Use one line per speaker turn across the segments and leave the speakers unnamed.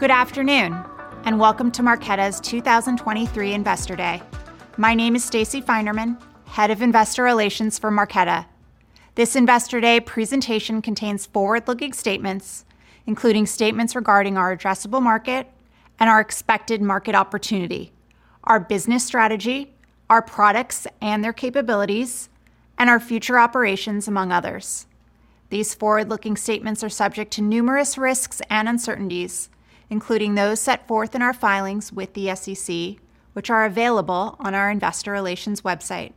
Good afternoon, and welcome to Marqeta's 2023 Investor Day. My name is Stacey Finerman, Head of Investor Relations for Marqeta. This Investor Day presentation contains forward-looking statements, including statements regarding our addressable market and our expected market opportunity, our business strategy, our products and their capabilities, and our future operations, among others. These forward-looking statements are subject to numerous risks and uncertainties, including those set forth in our filings with the SEC, which are available on our investor relations website,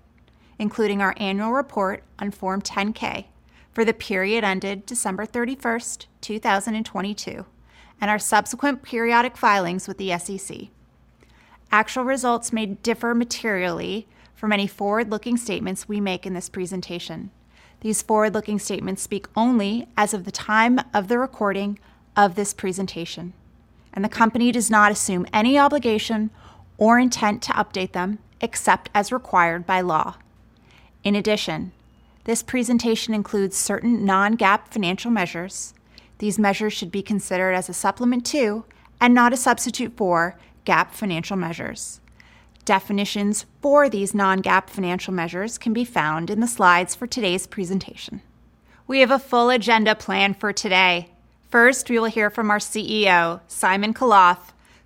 including our annual report on Form 10-K for the period ended December 31, 2022, and our subsequent periodic filings with the SEC. Actual results may differ materially from any forward-looking statements we make in this presentation. These forward-looking statements speak only as of the time of the recording of this presentation, and the company does not assume any obligation or intent to update them except as required by law. In addition, this presentation includes certain non-GAAP financial measures. These measures should be considered as a supplement to, and not a substitute for, GAAP financial measures. Definitions for these non-GAAP financial measures can be found in the slides for today's presentation. We have a full agenda planned for today. First, we will hear from our CEO, Simon Khalaf,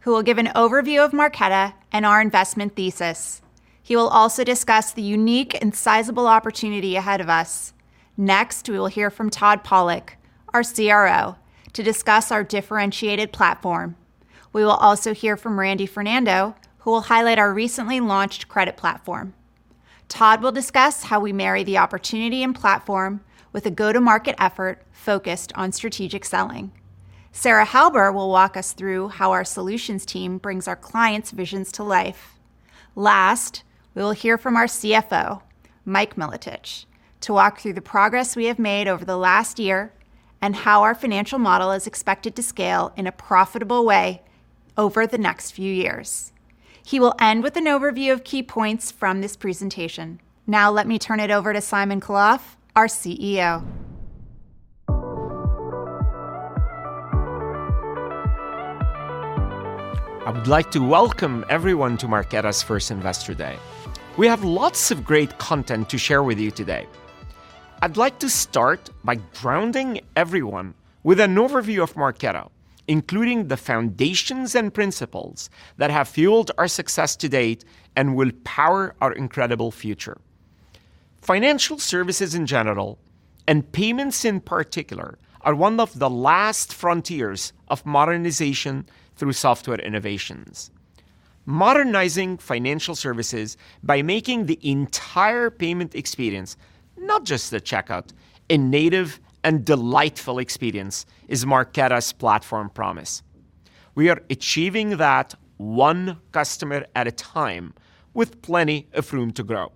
who will give an overview of Marqeta and our investment thesis. He will also discuss the unique and sizable opportunity ahead of us. Next, we will hear from Todd Pollak, our CRO, to discuss our differentiated platform. We will also hear from Randy Fernando, who will highlight our recently launched credit platform. Todd will discuss how we marry the opportunity and platform with a go-to-market effort focused on strategic selling. Sarah Hauber will walk us through how our solutions team brings our clients' visions to life. Last, we will hear from our CFO, Mike Milotich, to walk through the progress we have made over the last year and how our financial model is expected to scale in a profitable way over the next few years. He will end with an overview of key points from this presentation. Now let me turn it over to Simon Khalaf, our CEO.
I would like to welcome everyone to Marqeta's first Investor Day. We have lots of great content to share with you today. I'd like to start by grounding everyone with an overview of Marqeta, including the foundations and principles that have fueled our success to date and will power our incredible future. Financial services in general, and payments in particular, are one of the last frontiers of modernization through software innovations. Modernizing financial services by making the entire payment experience, not just the checkout, a native and delightful experience is Marqeta's platform promise. We are achieving that one customer at a time, with plenty of room to grow.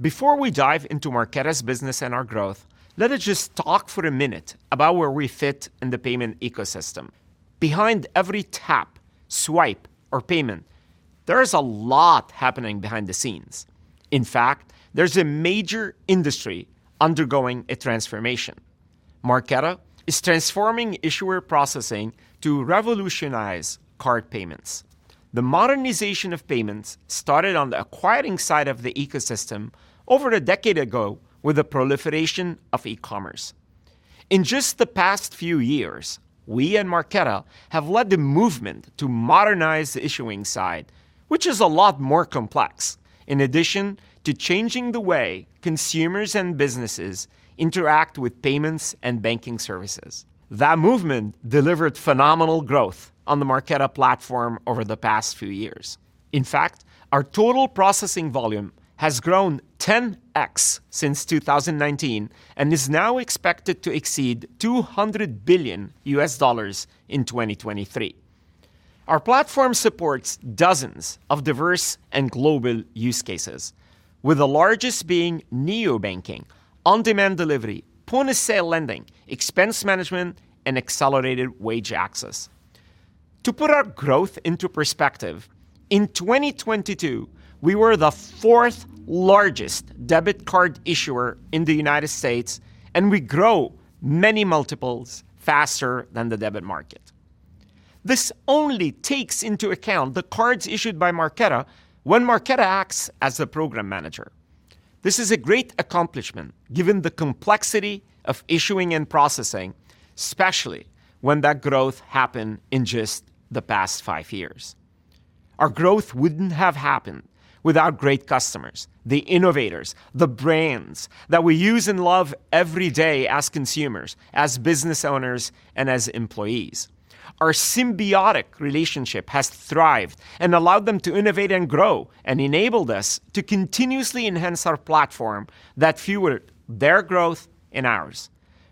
Before we dive into Marqeta's business and our growth, let us just talk for a minute about where we fit in the payment ecosystem. Behind every tap, swipe, or payment, there is a lot happening behind the scenes. In fact, there's a major industry undergoing a transformation. Marqeta is transforming issuer processing to revolutionize card payments. The modernization of payments started on the acquiring side of the ecosystem over a decade ago with the proliferation of e-commerce. In just the past few years, we and Marqeta have led the movement to modernize the issuing side, which is a lot more complex, in addition to changing the way consumers and businesses interact with payments and banking services. That movement delivered phenomenal growth on the Marqeta platform over the past few years. In fact, our total processing volume has grown 10x since 2019 and is now expected to exceed $200,000,000,000 in 2023. Our platform supports dozens of diverse and global use cases, with the largest being neobanking, on-demand delivery, point-of-sale lending, expense management, and accelerated wage access. To put our growth into perspective, in 2022, we were the fourth largest debit card issuer in the United States, and we grow many multiples faster than the debit market. This only takes into account the cards issued by Marqeta when Marqeta acts as a program manager. This is a great accomplishment given the complexity of issuing and processing, especially when that growth happened in just the past 5 years. Our growth wouldn't have happened without great customers, the innovators, the brands that we use and love every day as consumers, as business owners, and as employees. Our symbiotic relationship has thrived and allowed them to innovate and grow and enabled us to continuously enhance our platform that fueled their growth and ours.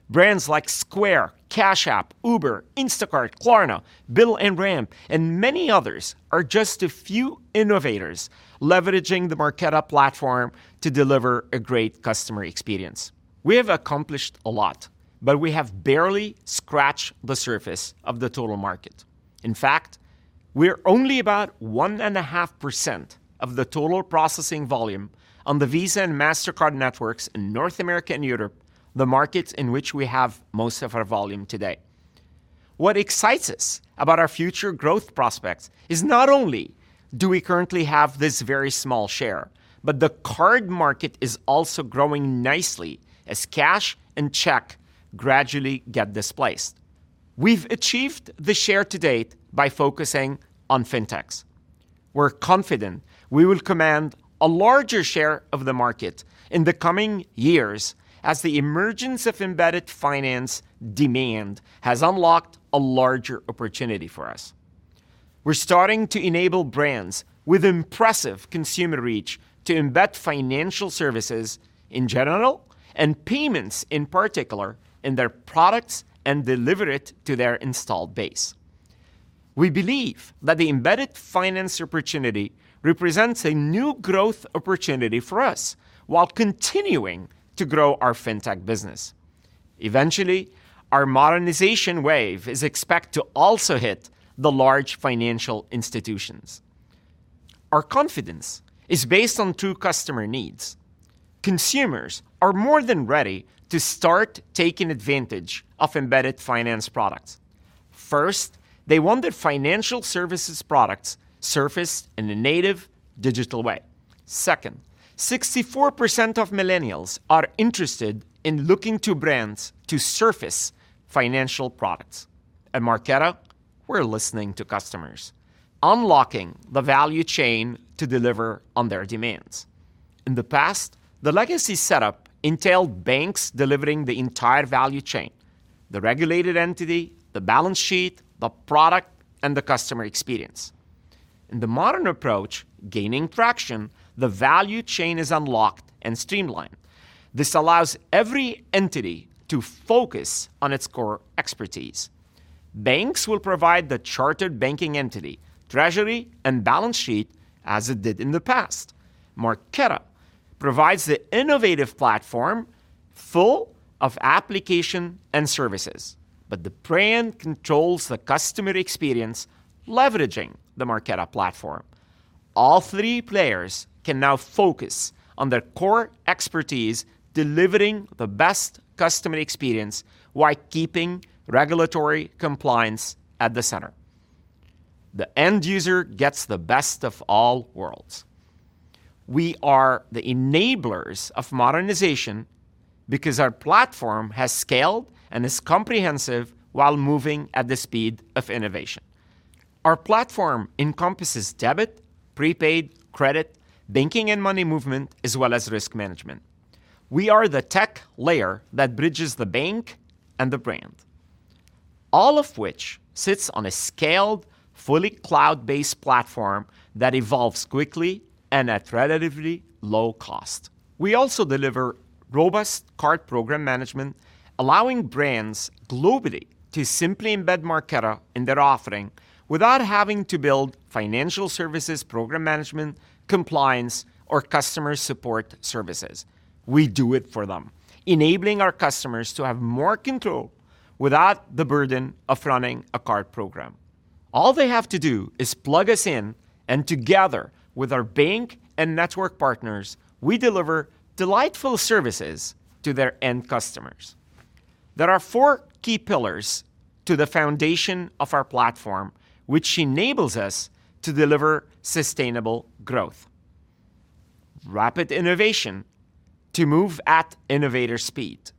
Brands like Square, Cash App, Uber, Instacart, Klarna, Bill and Ramp, and many others are just a few innovators leveraging the Marqeta platform to deliver a great customer experience. We have accomplished a lot, but we have barely scratched the surface of the total market. In fact... We're only about 1.5% of the total processing volume on the Visa and Mastercard networks in North America and Europe, the markets in which we have most of our volume today. What excites us about our future growth prospects is not only do we currently have this very small share, but the card market is also growing nicely as cash and check gradually get displaced. We've achieved this share to date by focusing on fintechs. We're confident we will command a larger share of the market in the coming years as the emergence of embedded finance demand has unlocked a larger opportunity for us. We're starting to enable brands with impressive consumer reach to embed financial services in general and payments, in particular, in their products and deliver it to their installed base. We believe that the embedded finance opportunity represents a new growth opportunity for us while continuing to grow our fintech business. Eventually, our modernization wave is expected to also hit the large financial institutions. Our confidence is based on two customer needs. Consumers are more than ready to start taking advantage of embedded finance products. First, they want their financial services products surfaced in a native digital way. Second, 64% of millennials are interested in looking to brands to surface financial products. At Marqeta, we're listening to customers, unlocking the value chain to deliver on their demands. In the past, the legacy setup entailed banks delivering the entire value chain: the regulated entity, the balance sheet, the product, and the customer experience. In the modern approach, gaining traction, the value chain is unlocked and streamlined. This allows every entity to focus on its core expertise. Banks will provide the chartered banking entity, treasury, and balance sheet as it did in the past. Marqeta provides the innovative platform full of application and services, but the brand controls the customer experience, leveraging the Marqeta platform. All three players can now focus on their core expertise, delivering the best customer experience while keeping regulatory compliance at the center. The end user gets the best of all worlds. We are the enablers of modernization because our platform has scaled and is comprehensive while moving at the speed of innovation. Our platform encompasses debit, prepaid, credit, banking, and money movement, as well as risk management. We are the tech layer that bridges the bank and the brand. All of which sits on a scaled, fully cloud-based platform that evolves quickly and at relatively low cost. We also deliver robust card program management, allowing brands globally to simply embed Marqeta in their offering without having to build financial services, program management, compliance, or customer support services. We do it for them, enabling our customers to have more control without the burden of running a card program. All they have to do is plug us in, and together with our bank and network partners, we deliver delightful services to their end customers. There are four key pillars to the foundation of our platform, which enables us to deliver sustainable growth. Rapid innovation to move at innovator speed.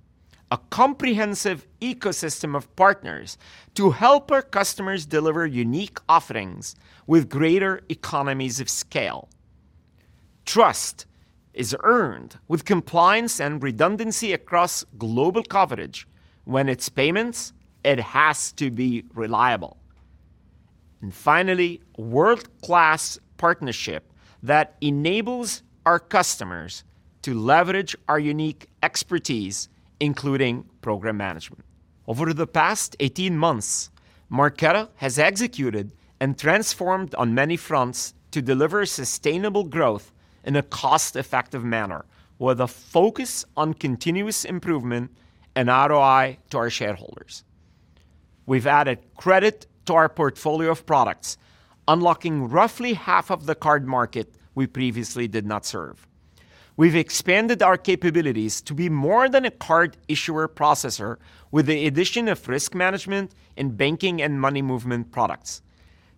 A comprehensive ecosystem of partners to help our customers deliver unique offerings with greater economies of scale. Trust is earned with compliance and redundancy across global coverage. When it's payments, it has to be reliable. And finally, world-class partnership that enables our customers to leverage our unique expertise, including program management. Over the past 18 months, Marqeta has executed and transformed on many fronts to deliver sustainable growth in a cost-effective manner, with a focus on continuous improvement and ROI to our shareholders. We've added credit to our portfolio of products, unlocking roughly half of the card market we previously did not serve. We've expanded our capabilities to be more than a card issuer processor with the addition of risk management in banking and money movement products.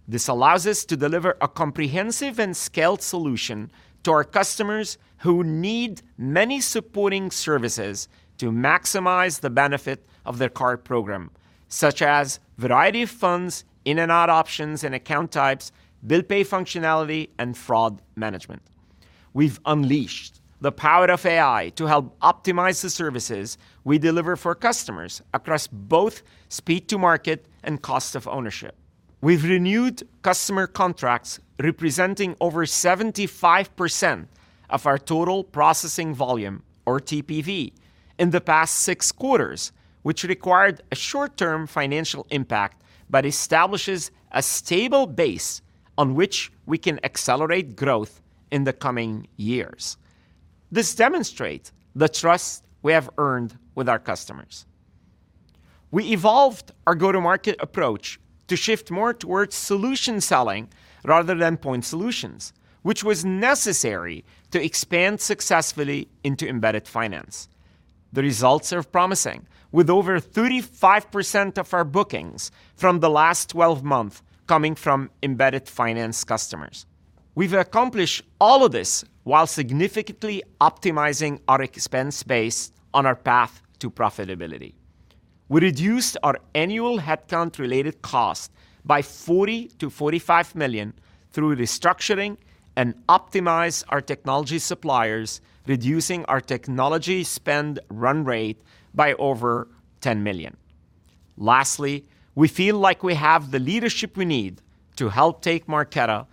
This allows us to deliver a comprehensive and scaled solution to our customers who need many supporting services to maximize the benefit of their card program, such as variety of funds, in and out options and account types, bill pay functionality, and fraud management. We've unleashed the power of AI to help optimize the services we deliver for customers across both speed to market and cost of ownership. We've renewed customer contracts representing over 75% of our total processing volume, or TPV, in the past 6 quarters, which required a short-term financial impact, but establishes a stable base on which we can accelerate growth in the coming years. This demonstrates the trust we have earned with our customers.... We evolved our go-to-market approach to shift more towards solution selling rather than point solutions, which was necessary to expand successfully into embedded finance. The results are promising, with over 35% of our bookings from the last 12 months coming from embedded finance customers. We've accomplished all of this while significantly optimizing our expense base on our path to profitability. We reduced our annual headcount-related cost by $40,000,000-$45,000,000 through restructuring and optimized our technology suppliers, reducing our technology spend run rate by over $10,000,000. Lastly, we feel like we have the leadership we need to help take Marqeta to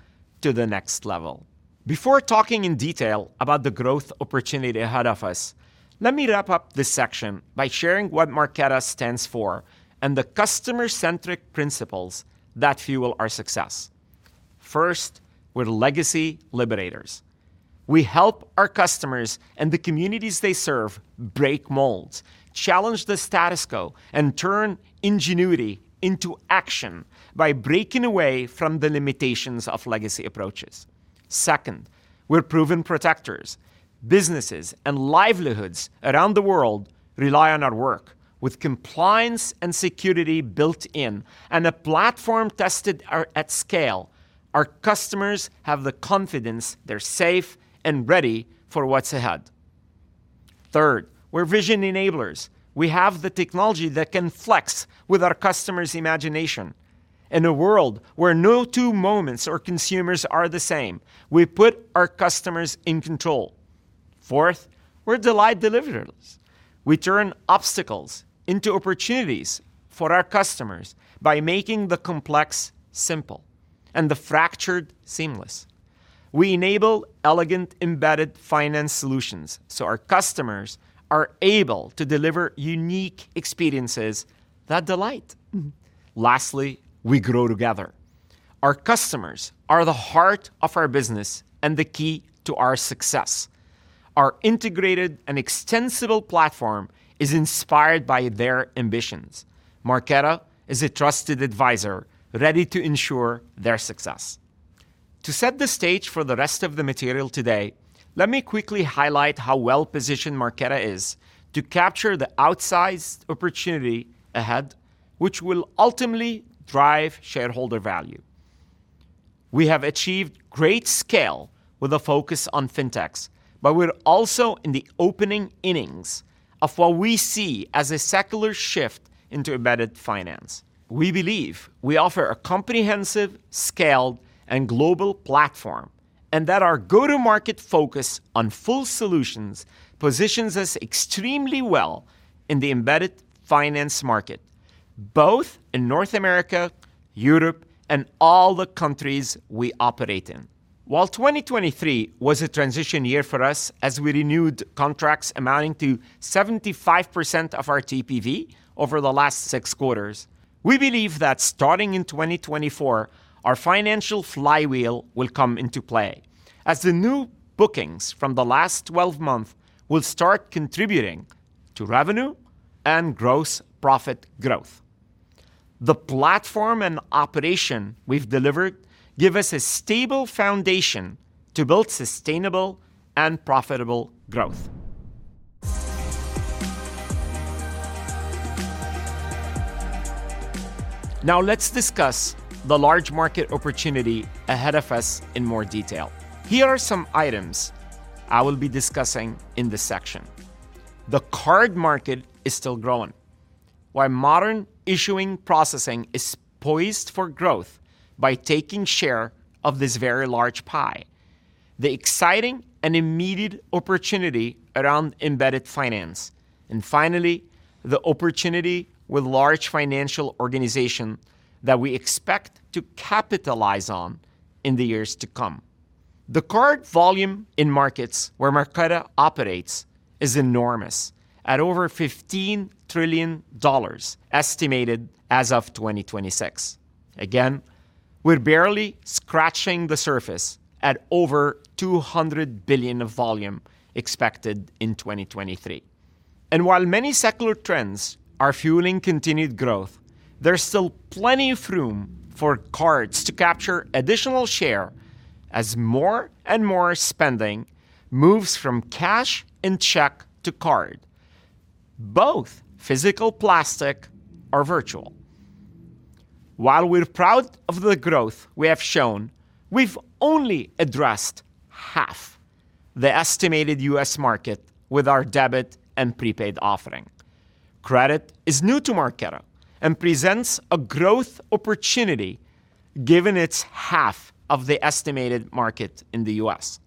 the next level. Before talking in detail about the growth opportunity ahead of us, let me wrap up this section by sharing what Marqeta stands for and the customer-centric principles that fuel our success. First, we're legacy liberators. We help our customers and the communities they serve break molds, challenge the status quo, and turn ingenuity into action by breaking away from the limitations of legacy approaches. Second, we're proven protectors. Businesses and livelihoods around the world rely on our work. With compliance and security built in and a platform tested at scale, our customers have the confidence they're safe and ready for what's ahead. Third, we're vision enablers. We have the technology that can flex with our customers' imagination. In a world where no two moments or consumers are the same, we put our customers in control. Fourth, we're delight deliverers. We turn obstacles into opportunities for our customers by making the complex simple and the fractured seamless. We enable elegant, embedded finance solutions so our customers are able to deliver unique experiences that delight. Lastly, we grow together. Our customers are the heart of our business and the key to our success. Our integrated and extensible platform is inspired by their ambitions. Marqeta is a trusted advisor, ready to ensure their success. To set the stage for the rest of the material today, let me quickly highlight how well-positioned Marqeta is to capture the outsized opportunity ahead, which will ultimately drive shareholder value. We have achieved great scale with a focus on fintechs, but we're also in the opening innings of what we see as a secular shift into embedded finance. We believe we offer a comprehensive, scaled, and global platform, and that our go-to-market focus on full solutions positions us extremely well in the embedded finance market, both in North America, Europe, and all the countries we operate in. While 2023 was a transition year for us, as we renewed contracts amounting to 75% of our TPV over the last 6 quarters, we believe that starting in 2024, our financial flywheel will come into play, as the new bookings from the last 12 months will start contributing to revenue and gross profit growth. The platform and operation we've delivered give us a stable foundation to build sustainable and profitable growth. Now, let's discuss the large market opportunity ahead of us in more detail. Here are some items I will be discussing in this section. The card market is still growing. While modern issuing processing is poised for growth by taking share of this very large pie, the exciting and immediate opportunity around embedded finance, and finally, the opportunity with large financial organization, that we expect to capitalize on in the years to come. The card volume in markets where Marqeta operates is enormous, at over $15,000,000,000,000, estimated as of 2026. Again, we're barely scratching the surface at over $20,000,000,000 of volume expected in 2023. While many secular trends are fueling continued growth, there's still plenty of room for cards to capture additional share as more and more spending moves from cash and check to card, both physical plastic or virtual. While we're proud of the growth we have shown, we've only addressed half the estimated U.S. market with our debit and prepaid offering. Credit is new to Marqeta and presents a growth opportunity, given it's half of the estimated market in the U.S.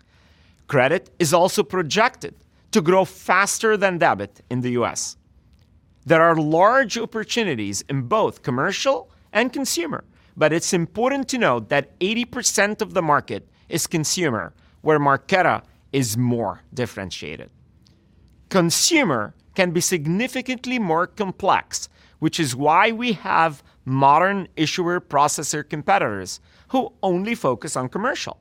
Credit is also projected to grow faster than debit in the U.S. There are large opportunities in both commercial and consumer, but it's important to note that 80% of the market is consumer, where Marqeta is more differentiated. Consumer can be significantly more complex, which is why we have modern issuer processor competitors who only focus on commercial.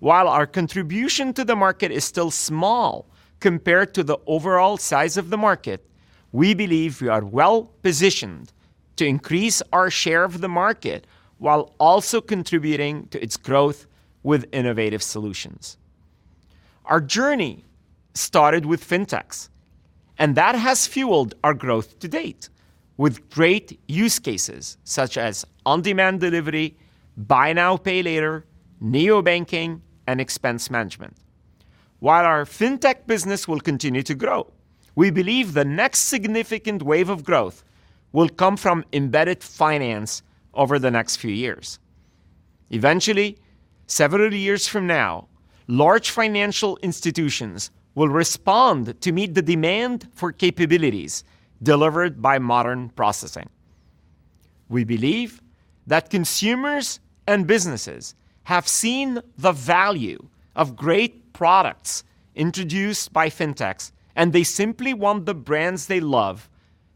While our contribution to the market is still small compared to the overall size of the market, we believe we are well-positioned to increase our share of the market while also contributing to its growth with innovative solutions. Our journey started with fintechs, and that has fueled our growth to date, with great use cases such as on-demand delivery, buy now, pay later, neobanking, and expense management. While our fintech business will continue to grow, we believe the next significant wave of growth will come from embedded finance over the next few years. Eventually, several years from now, large financial institutions will respond to meet the demand for capabilities delivered by modern processing. We believe that consumers and businesses have seen the value of great products introduced by fintechs, and they simply want the brands they love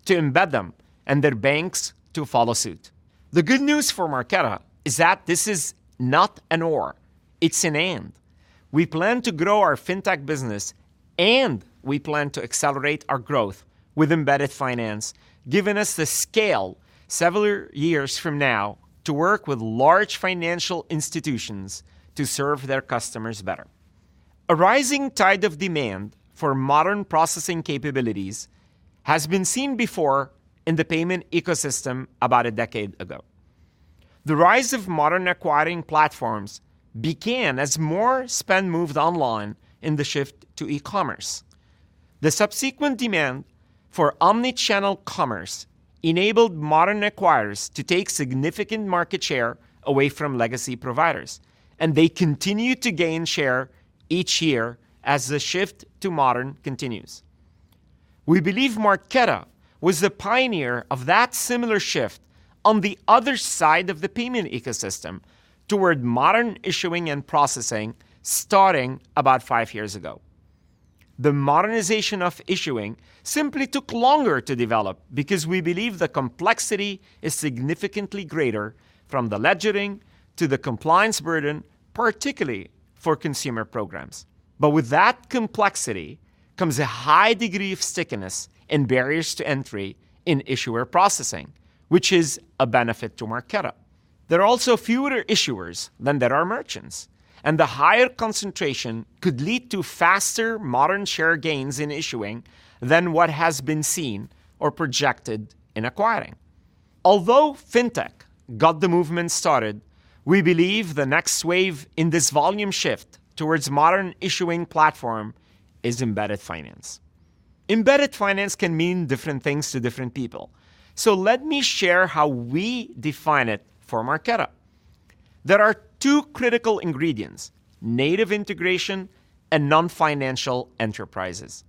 to embed them and their banks to follow suit. The good news for Marqeta is that this is not an or, it's an and. We plan to grow our fintech business, and we plan to accelerate our growth with embedded finance, giving us the scale several years from now to work with large financial institutions to serve their customers better. A rising tide of demand for modern processing capabilities has been seen before in the payment ecosystem about a decade ago. The rise of modern acquiring platforms began as more spend moved online in the shift to e-commerce. The subsequent demand for omni-channel commerce enabled modern acquirers to take significant market share away from legacy providers, and they continue to gain share each year as the shift to modern continues. We believe Marqeta was the pioneer of that similar shift on the other side of the payment ecosystem toward modern issuing and processing, starting about five years ago. The modernization of issuing simply took longer to develop because we believe the complexity is significantly greater, from the ledgering to the compliance burden, particularly for consumer programs. But with that complexity comes a high degree of stickiness and barriers to entry in issuer processing, which is a benefit to Marqeta. There are also fewer issuers than there are merchants, and the higher concentration could lead to faster modern share gains in issuing than what has been seen or projected in acquiring. Although fintech got the movement started, we believe the next wave in this volume shift towards modern issuing platform is embedded finance. Embedded finance can mean different things to different people, so let me share how we define it for Marqeta. There are two critical ingredients: native integration and non-financial enterprises.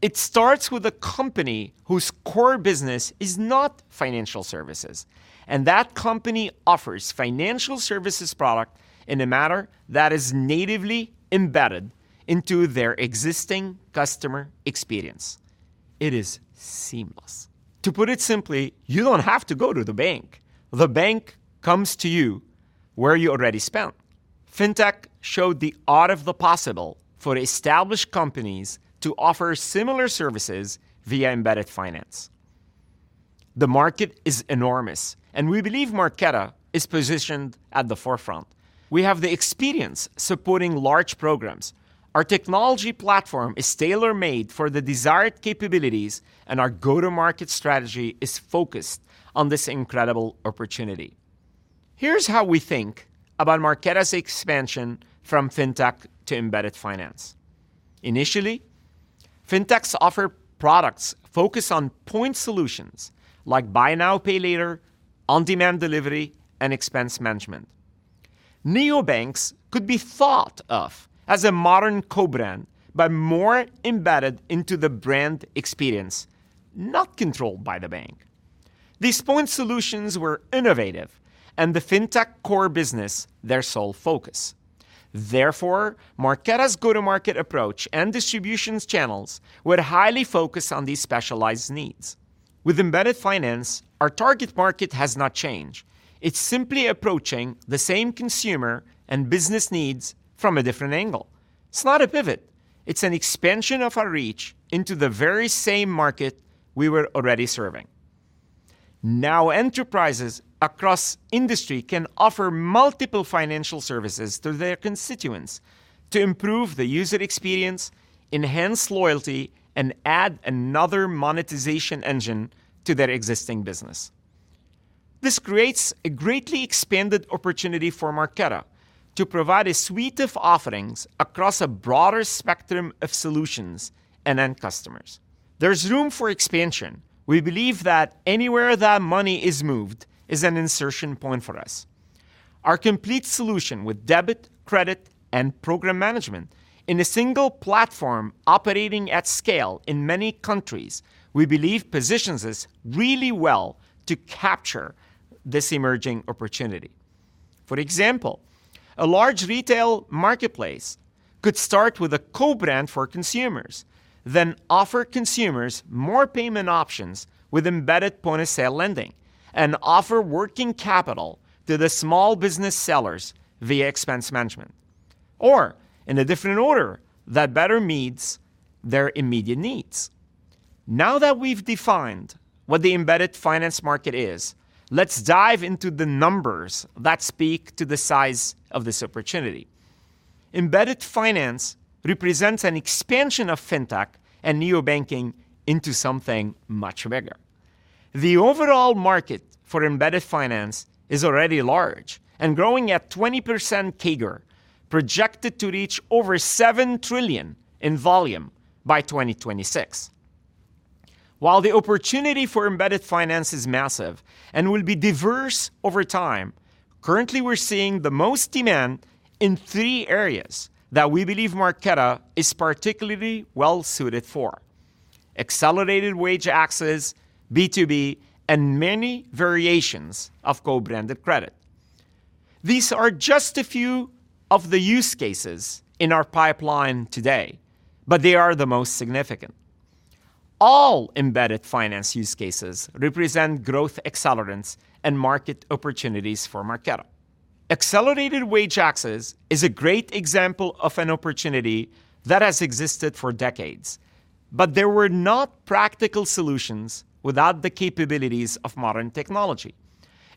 It starts with a company whose core business is not financial services, and that company offers financial services product in a manner that is natively embedded into their existing customer experience. It is seamless. To put it simply, you don't have to go to the bank. The bank comes to you where you already spend. Fintech showed the art of the possible for established companies to offer similar services via embedded finance. The market is enormous, and we believe Marqeta is positioned at the forefront. We have the experience supporting large programs. Our technology platform is tailor-made for the desired capabilities, and our go-to-market strategy is focused on this incredible opportunity. Here's how we think about Marqeta's expansion from fintech to embedded finance. Initially, fintechs offer products focused on point solutions like buy now, pay later, on-demand delivery, and expense management. Neobanks could be thought of as a modern co-brand, but more embedded into the brand experience, not controlled by the bank. These point solutions were innovative and the fintech core business their sole focus. Therefore, Marqeta's go-to-market approach and distribution channels were highly focused on these specialized needs. With embedded finance, our target market has not changed. It's simply approaching the same consumer and business needs from a different angle. It's not a pivot, it's an expansion of our reach into the very same market we were already serving. Now, enterprises across industry can offer multiple financial services to their constituents to improve the user experience, enhance loyalty, and add another monetization engine to their existing business. This creates a greatly expanded opportunity for Marqeta to provide a suite of offerings across a broader spectrum of solutions and end customers. There's room for expansion. We believe that anywhere that money is moved is an insertion point for us. Our complete solution with debit, credit, and program management in a single platform, operating at scale in many countries, we believe positions us really well to capture this emerging opportunity. For example, a large retail marketplace could start with a co-brand for consumers, then offer consumers more payment options with embedded point-of-sale lending, and offer working capital to the small business sellers via expense management, or in a different order that better meets their immediate needs. Now that we've defined what the embedded finance market is, let's dive into the numbers that speak to the size of this opportunity. Embedded finance represents an expansion of fintech and neobanking into something much bigger. The overall market for embedded finance is already large and growing at 20% CAGR, projected to reach over $7,000,000,000,000 in volume by 2026. While the opportunity for embedded finance is massive and will be diverse over time, currently, we're seeing the most demand in three areas that we believe Marqeta is particularly well-suited for: accelerated wage access, B2B, and many variations of co-branded credit. These are just a few of the use cases in our pipeline today, but they are the most significant. All embedded finance use cases represent growth accelerants and market opportunities for Marqeta. Accelerated wage access is a great example of an opportunity that has existed for decades, but there were not practical solutions without the capabilities of modern technology.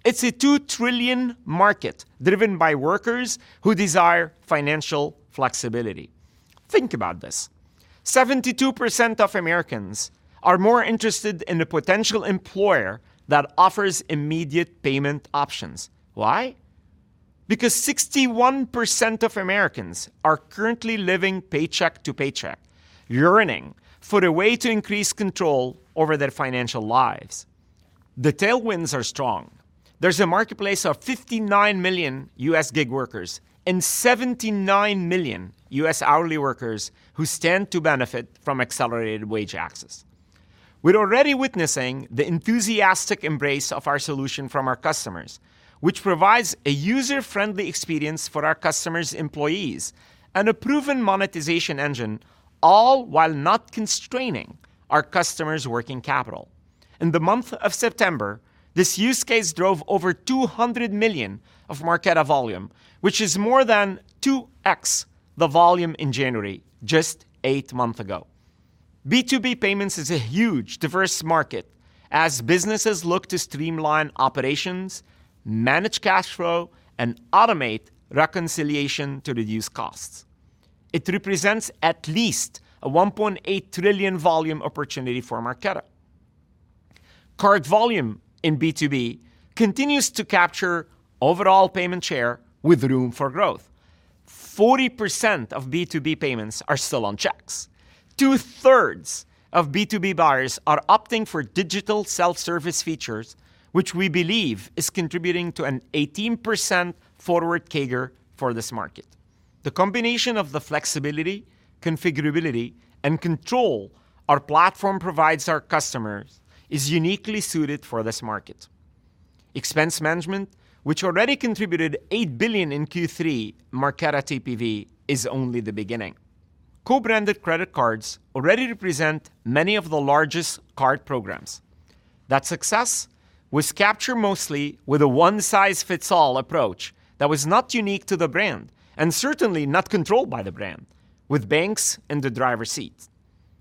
It's a $2,000,000,000,000 market driven by workers who desire financial flexibility. Think about this: 72% of Americans are more interested in a potential employer that offers immediate payment options. Why? Because 61% of Americans are currently living paycheck to paycheck, yearning for a way to increase control over their financial lives. The tailwinds are strong. There's a marketplace of 59,000,000 U.S. gig workers and 79,000,000 U.S. hourly workers who stand to benefit from accelerated wage access. We're already witnessing the enthusiastic embrace of our solution from our customers, which provides a user-friendly experience for our customers' employees and a proven monetization engine, all while not constraining our customers' working capital. In the month of September, this use case drove over $200,000,000 of Marqeta volume, which is more than 2x the volume in January, just eight months ago. B2B payments is a huge, diverse market as businesses look to streamline operations, manage cash flow, and automate reconciliation to reduce costs. It represents at least a $1,800,000,000,000 volume opportunity for Marqeta. Card volume in B2B continues to capture overall payment share with room for growth. 40% of B2B payments are still on checks. 2/3 of B2B buyers are opting for digital self-service features, which we believe is contributing to an 18% forward CAGR for this market. The combination of the flexibility, configurability, and control our platform provides our customers is uniquely suited for this market. Expense management, which already contributed $8,000,000,000 in Q3 Marqeta TPV, is only the beginning. Co-branded credit cards already represent many of the largest card programs. That success was captured mostly with a one-size-fits-all approach that was not unique to the brand and certainly not controlled by the brand, with banks in the driver's seat.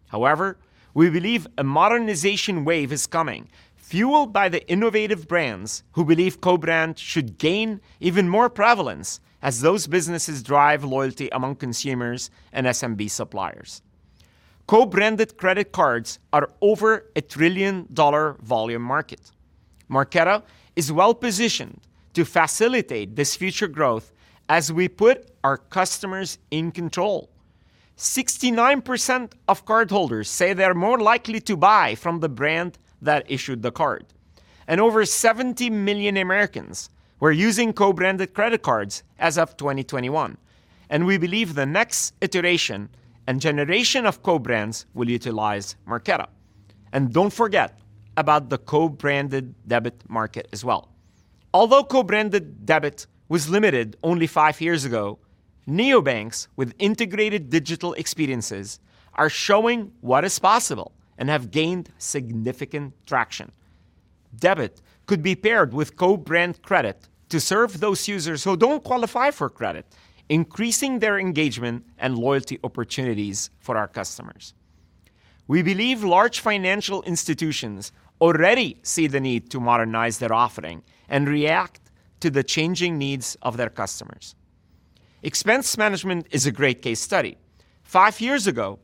However, we believe a modernization wave is coming, fueled by the innovative brands who believe co-brand should gain even more prevalence as those businesses drive loyalty among consumers and SMB suppliers. Co-branded credit cards are over a $1,000,000,000,000 volume market. Marqeta is well-positioned to facilitate this future growth as we put our customers in control. 69% of cardholders say they're more likely to buy from the brand that issued the card, and over 70,000,000 Americans were using co-branded credit cards as of 2021, and we believe the next iteration and generation of co-brands will utilize Marqeta. And don't forget about the co-branded debit market as well. Although co-branded debit was limited only five years ago, neobanks with integrated digital experiences are showing what is possible and have gained significant traction. Debit could be paired with co-brand credit to serve those users who don't qualify for credit, increasing their engagement and loyalty opportunities for our customers. We believe large financial institutions already see the need to modernize their offering and react to the changing needs of their customers. Expense management is a great case study. Five years ago,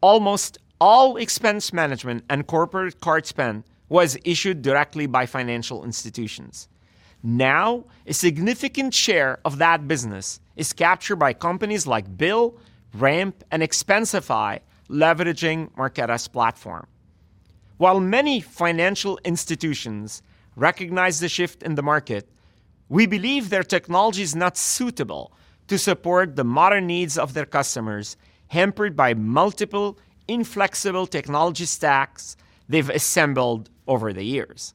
almost all expense management and corporate card spend was issued directly by financial institutions. Now, a significant share of that business is captured by companies like Bill, Ramp, and Expensify, leveraging Marqeta's platform. While many financial institutions recognize the shift in the market, we believe their technology is not suitable to support the modern needs of their customers, hampered by multiple inflexible technology stacks they've assembled over the years...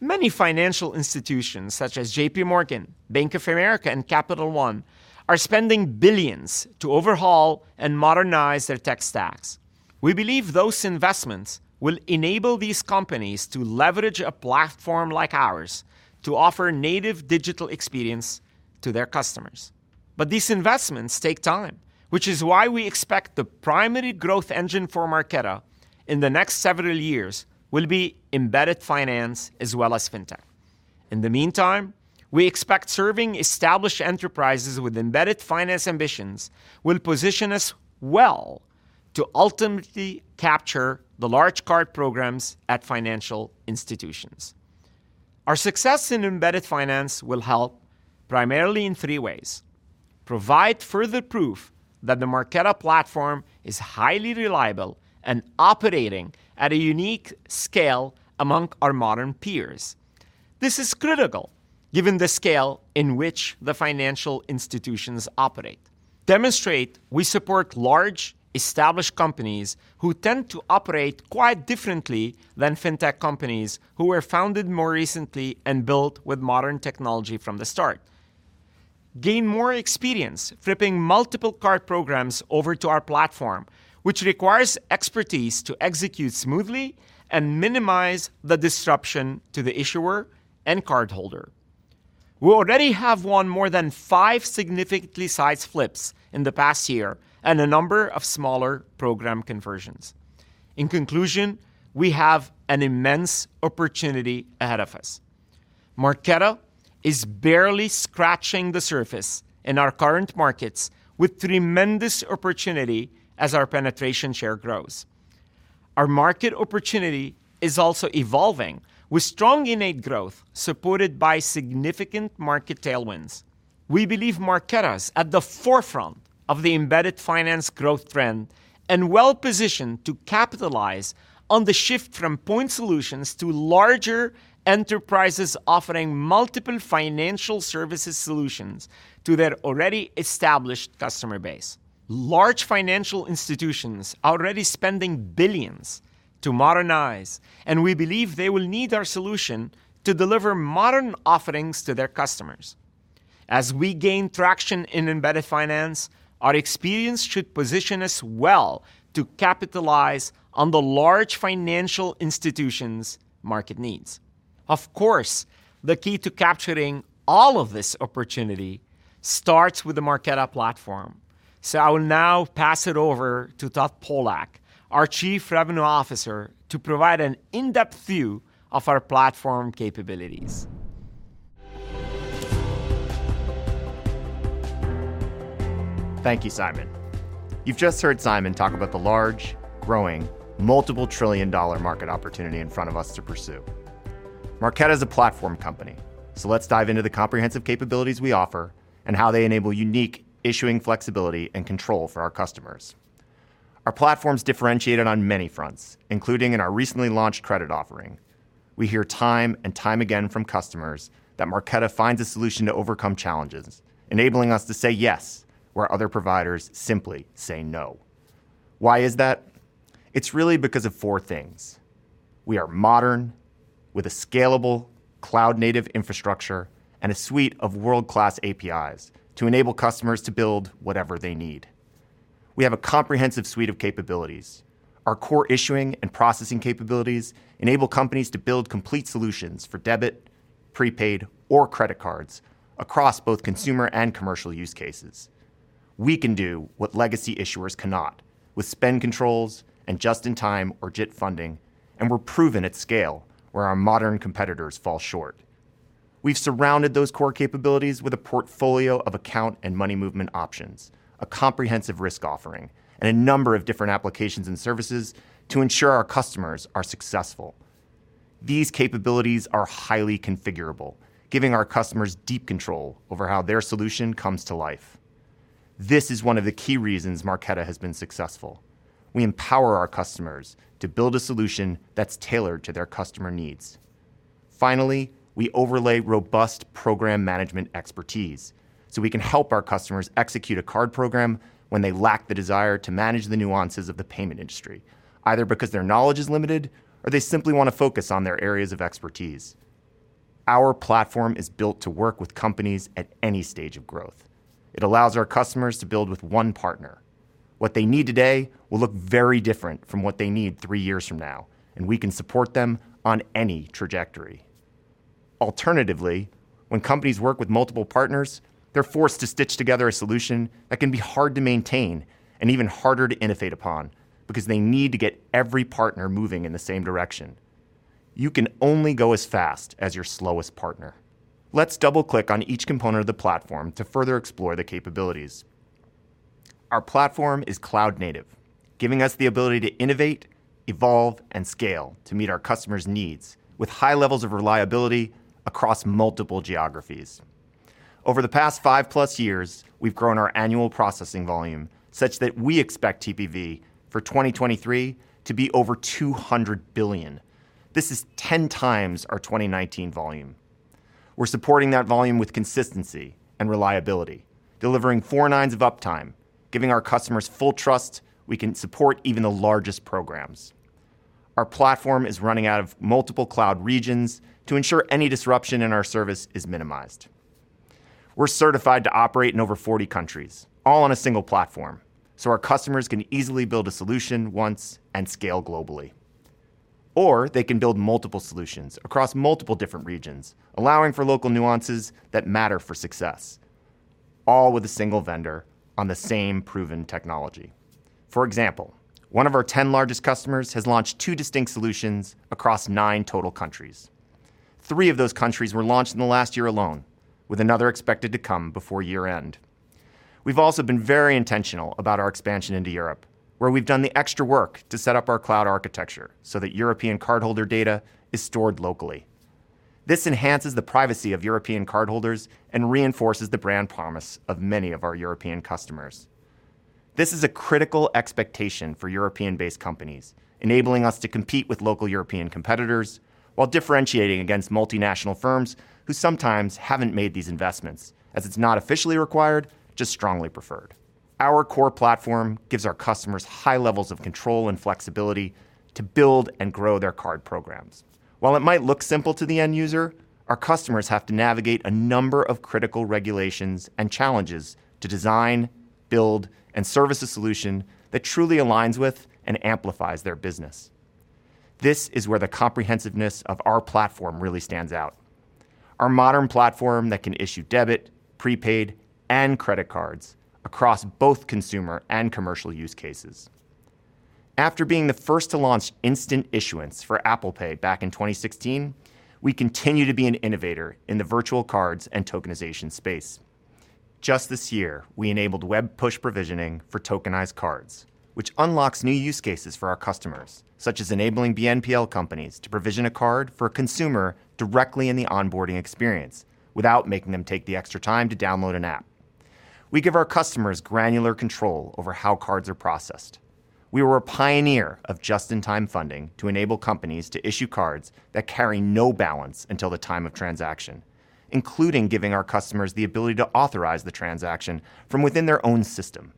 Many financial institutions such as JP Morgan, Bank of America, and Capital One are spending billions to overhaul and modernize their tech stacks. We believe those investments will enable these companies to leverage a platform like ours to offer native digital experience to their customers. But these investments take time, which is why we expect the primary growth engine for Marqeta in the next several years will be embedded finance as well as fintech. In the meantime, we expect serving established enterprises with embedded finance ambitions will position us well to ultimately capture the large card programs at financial institutions. Our success in embedded finance will help primarily in three ways: provide further proof that the Marqeta platform is highly reliable and operating at a unique scale among our modern peers. This is critical, given the scale in which the financial institutions operate. Demonstrate we support large, established companies who tend to operate quite differently than fintech companies who were founded more recently and built with modern technology from the start. Gain more experience flipping multiple card programs over to our platform, which requires expertise to execute smoothly and minimize the disruption to the issuer and cardholder. We already have won more than five significantly sized flips in the past year and a number of smaller program conversions. In conclusion, we have an immense opportunity ahead of us. Marqeta is barely scratching the surface in our current markets, with tremendous opportunity as our penetration share grows. Our market opportunity is also evolving, with strong innate growth supported by significant market tailwinds. We believe Marqeta is at the forefront of the embedded finance growth trend and well-positioned to capitalize on the shift from point solutions to larger enterprises offering multiple financial services solutions to their already established customer base. Large financial institutions are already spending billions to modernize, and we believe they will need our solution to deliver modern offerings to their customers. As we gain traction in embedded finance, our experience should position us well to capitalize on the large financial institutions' market needs. Of course, the key to capturing all of this opportunity starts with the Marqeta platform. I will now pass it over to Todd Pollak, our Chief Revenue Officer, to provide an in-depth view of our platform capabilities.
Thank you, Simon. You've just heard Simon talk about the large, growing, multiple trillion-dollar market opportunity in front of us to pursue. Marqeta is a platform company, so let's dive into the comprehensive capabilities we offer and how they enable unique issuing flexibility and control for our customers. Our platform's differentiated on many fronts, including in our recently launched credit offering. We hear time and time again from customers that Marqeta finds a solution to overcome challenges, enabling us to say yes, where other providers simply say no. Why is that? It's really because of four things. We are modern, with a scalable, cloud-native infrastructure and a suite of world-class APIs to enable customers to build whatever they need. We have a comprehensive suite of capabilities. Our core issuing and processing capabilities enable companies to build complete solutions for debit, prepaid, or credit cards across both consumer and commercial use cases. We can do what legacy issuers cannot with spend controls and just-in-time, or JIT, funding, and we're proven at scale, where our modern competitors fall short. We've surrounded those core capabilities with a portfolio of account and money movement options, a comprehensive risk offering, and a number of different applications and services to ensure our customers are successful. These capabilities are highly configurable, giving our customers deep control over how their solution comes to life. This is one of the key reasons Marqeta has been successful. We empower our customers to build a solution that's tailored to their customer needs. Finally, we overlay robust program management expertise, so we can help our customers execute a card program when they lack the desire to manage the nuances of the payment industry, either because their knowledge is limited or they simply want to focus on their areas of expertise. Our platform is built to work with companies at any stage of growth. It allows our customers to build with one partner. What they need today will look very different from what they need three years from now, and we can support them on any trajectory. Alternatively, when companies work with multiple partners, they're forced to stitch together a solution that can be hard to maintain and even harder to innovate upon because they need to get every partner moving in the same direction. You can only go as fast as your slowest partner. Let's double-click on each component of the platform to further explore the capabilities. Our platform is cloud-native, giving us the ability to innovate, evolve, and scale to meet our customers' needs with high levels of reliability across multiple geographies. Over the past 5+ years, we've grown our annual processing volume such that we expect TPV for 2023 to be over $200,000,000,000. This is 10 times our 2019 volume. We're supporting that volume with consistency and reliability, delivering four nines of uptime, giving our customers full trust we can support even the largest programs. Our platform is running out of multiple cloud regions to ensure any disruption in our service is minimized. We're certified to operate in over 40 countries, all on a single platform, so our customers can easily build a solution once and scale globally. Or they can build multiple solutions across multiple different regions, allowing for local nuances that matter for success, all with a single vendor on the same proven technology. For example, one of our 10 largest customers has launched two distinct solutions across nine total countries. Three of those countries were launched in the last year alone, with another expected to come before year-end. We've also been very intentional about our expansion into Europe, where we've done the extra work to set up our cloud architecture so that European cardholder data is stored locally. This enhances the privacy of European cardholders and reinforces the brand promise of many of our European customers. This is a critical expectation for European-based companies, enabling us to compete with local European competitors while differentiating against multinational firms who sometimes haven't made these investments, as it's not officially required, just strongly preferred. Our core platform gives our customers high levels of control and flexibility to build and grow their card programs. While it might look simple to the end user, our customers have to navigate a number of critical regulations and challenges to design, build, and service a solution that truly aligns with and amplifies their business. This is where the comprehensiveness of our platform really stands out. Our modern platform that can issue debit, prepaid, and credit cards across both consumer and commercial use cases. After being the first to launch instant issuance for Apple Pay back in 2016, we continue to be an innovator in the virtual cards and tokenization space. Just this year, we enabled web push provisioning for tokenized cards, which unlocks new use cases for our customers, such as enabling BNPL companies to provision a card for a consumer directly in the onboarding experience without making them take the extra time to download an app. We give our customers granular control over how cards are processed. We were a pioneer of just-in-time funding to enable companies to issue cards that carry no balance until the time of transaction, including giving our customers the ability to authorize the transaction from within their own system.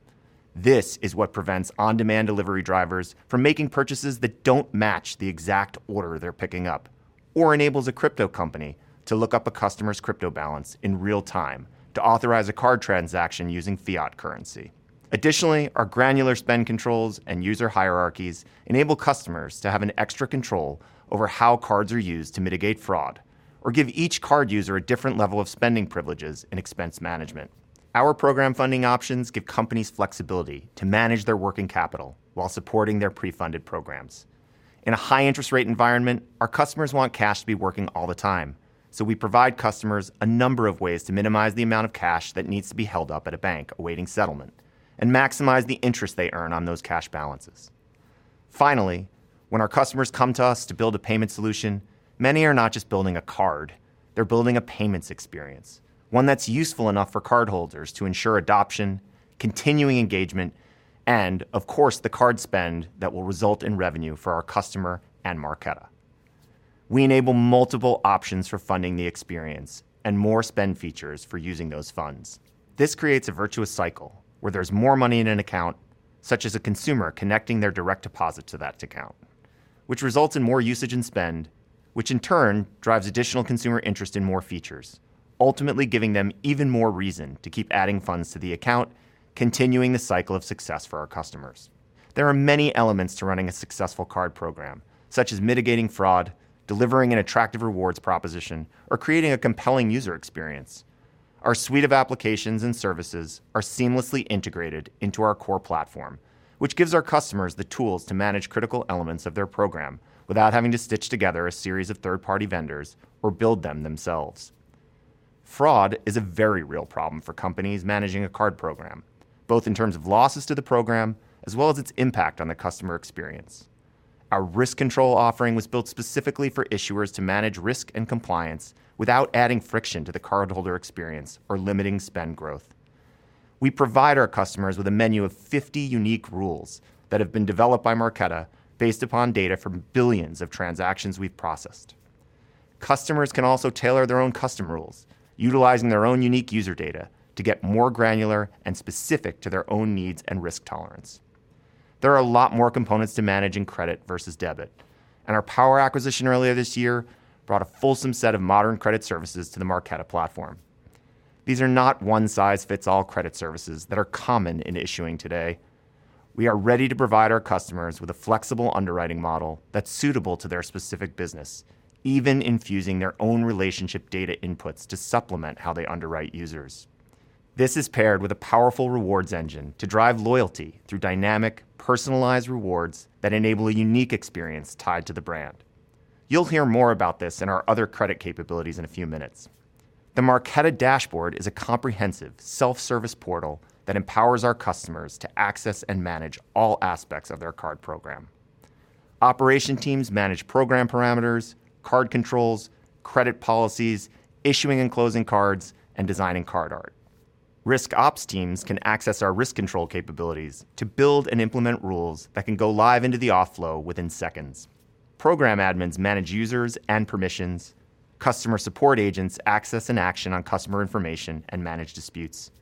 This is what prevents on-demand delivery drivers from making purchases that don't match the exact order they're picking up, or enables a crypto company to look up a customer's crypto balance in real time to authorize a card transaction using fiat currency. Additionally, our granular spend controls and user hierarchies enable customers to have an extra control over how cards are used to mitigate fraud or give each card user a different level of spending privileges and expense management. Our program funding options give companies flexibility to manage their working capital while supporting their pre-funded programs. In a high interest rate environment, our customers want cash to be working all the time, so we provide customers a number of ways to minimize the amount of cash that needs to be held up at a bank, awaiting settlement, and maximize the interest they earn on those cash balances. Finally, when our customers come to us to build a payment solution, many are not just building a card, they're building a payments experience, one that's useful enough for cardholders to ensure adoption, continuing engagement, and of course, the card spend that will result in revenue for our customer and Marqeta. We enable multiple options for funding the experience and more spend features for using those funds. This creates a virtuous cycle where there's more money in an account, such as a consumer connecting their direct deposit to that account, which results in more usage and spend, which in turn drives additional consumer interest in more features, ultimately giving them even more reason to keep adding funds to the account, continuing the cycle of success for our customers. There are many elements to running a successful card program, such as mitigating fraud, delivering an attractive rewards proposition, or creating a compelling user experience. Our suite of applications and services are seamlessly integrated into our core platform, which gives our customers the tools to manage critical elements of their program without having to stitch together a series of third-party vendors or build them themselves. Fraud is a very real problem for companies managing a card program, both in terms of losses to the program as well as its impact on the customer experience. Our RiskControl offering was built specifically for issuers to manage risk and compliance without adding friction to the cardholder experience or limiting spend growth. We provide our customers with a menu of 50 unique rules that have been developed by Marqeta based upon data from billions of transactions we've processed. Customers can also tailor their own custom rules, utilizing their own unique user data to get more granular and specific to their own needs and risk tolerance. There are a lot more components to manage in credit versus debit, and our Power acquisition earlier this year brought a fulsome set of modern credit services to the Marqeta platform. These are not one-size-fits-all credit services that are common in issuing today. We are ready to provide our customers with a flexible underwriting model that's suitable to their specific business, even infusing their own relationship data inputs to supplement how they underwrite users. This is paired with a powerful rewards engine to drive loyalty through dynamic, personalized rewards that enable a unique experience tied to the brand. You'll hear more about this and our other credit capabilities in a few minutes. The Marqeta Dashboard is a comprehensive self-service portal that empowers our customers to access and manage all aspects of their card program. Operations teams manage program parameters, card controls, credit policies, issuing and closing cards, and designing card art. Risk ops teams can access our RiskControl capabilities to build and implement rules that can go live into the auth flow within seconds. Program admins manage users and permissions, customer support agents access and action on customer information and manage disputes.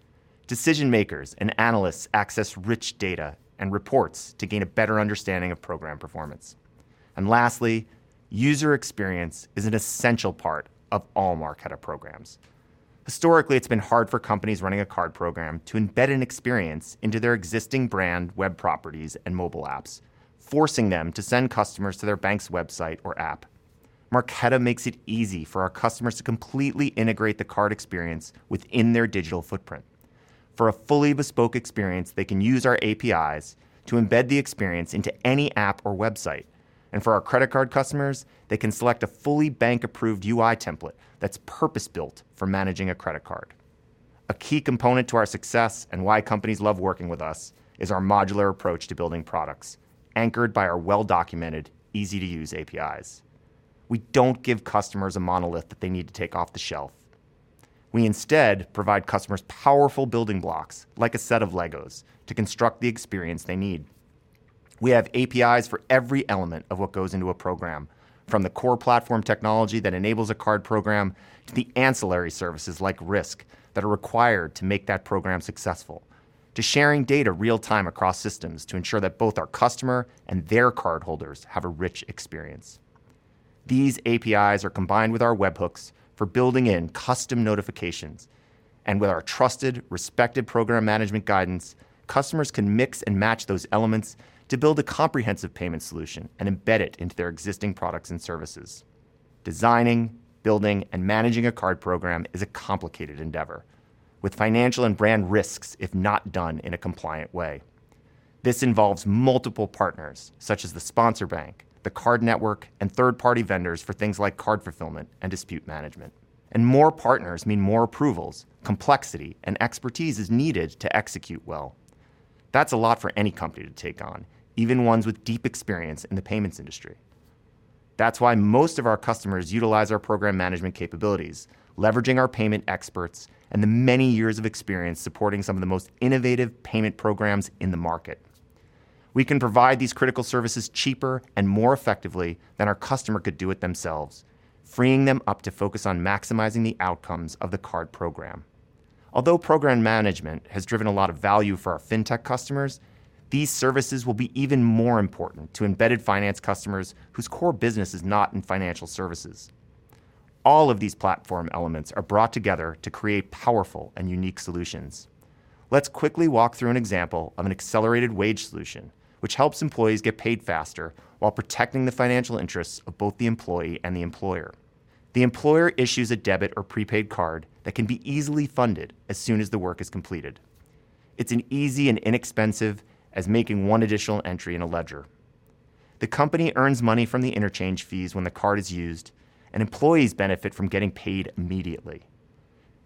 Decision-makers and analysts access rich data and reports to gain a better understanding of program performance. Lastly, user experience is an essential part of all Marqeta programs. Historically, it's been hard for companies running a card program to embed an experience into their existing brand web properties and mobile apps, forcing them to send customers to their bank's website or app. Marqeta makes it easy for our customers to completely integrate the card experience within their digital footprint. For a fully bespoke experience, they can use our APIs to embed the experience into any app or website, and for our credit card customers, they can select a fully bank-approved UI template that's purpose-built for managing a credit card. A key component to our success and why companies love working with us is our modular approach to building products, anchored by our well-documented, easy-to-use APIs. We don't give customers a monolith that they need to take off the shelf. We instead provide customers powerful building blocks, like a set of Legos, to construct the experience they need. We have APIs for every element of what goes into a program, from the core platform technology that enables a card program, to the ancillary services like risk, that are required to make that program successful, to sharing data real time across systems to ensure that both our customer and their cardholders have a rich experience. These APIs are combined with our webhooks for building in custom notifications, and with our trusted, respected program management guidance, customers can mix and match those elements to build a comprehensive payment solution and embed it into their existing products and services. Designing, building, and managing a card program is a complicated endeavor, with financial and brand risks if not done in a compliant way. This involves multiple partners, such as the sponsor bank, the card network, and third-party vendors for things like card fulfillment and dispute management. More partners mean more approvals, complexity, and expertise is needed to execute well. That's a lot for any company to take on, even ones with deep experience in the payments industry. That's why most of our customers utilize our program management capabilities, leveraging our payment experts and the many years of experience supporting some of the most innovative payment programs in the market. We can provide these critical services cheaper and more effectively than our customer could do it themselves, freeing them up to focus on maximizing the outcomes of the card program. Although program management has driven a lot of value for our fintech customers, these services will be even more important to embedded finance customers whose core business is not in financial services. All of these platform elements are brought together to create powerful and unique solutions. Let's quickly walk through an example of an accelerated wage solution, which helps employees get paid faster while protecting the financial interests of both the employee and the employer. The employer issues a debit or prepaid card that can be easily funded as soon as the work is completed. It's as easy and inexpensive as making one additional entry in a ledger. The company earns money from the interchange fees when the card is used, and employees benefit from getting paid immediately.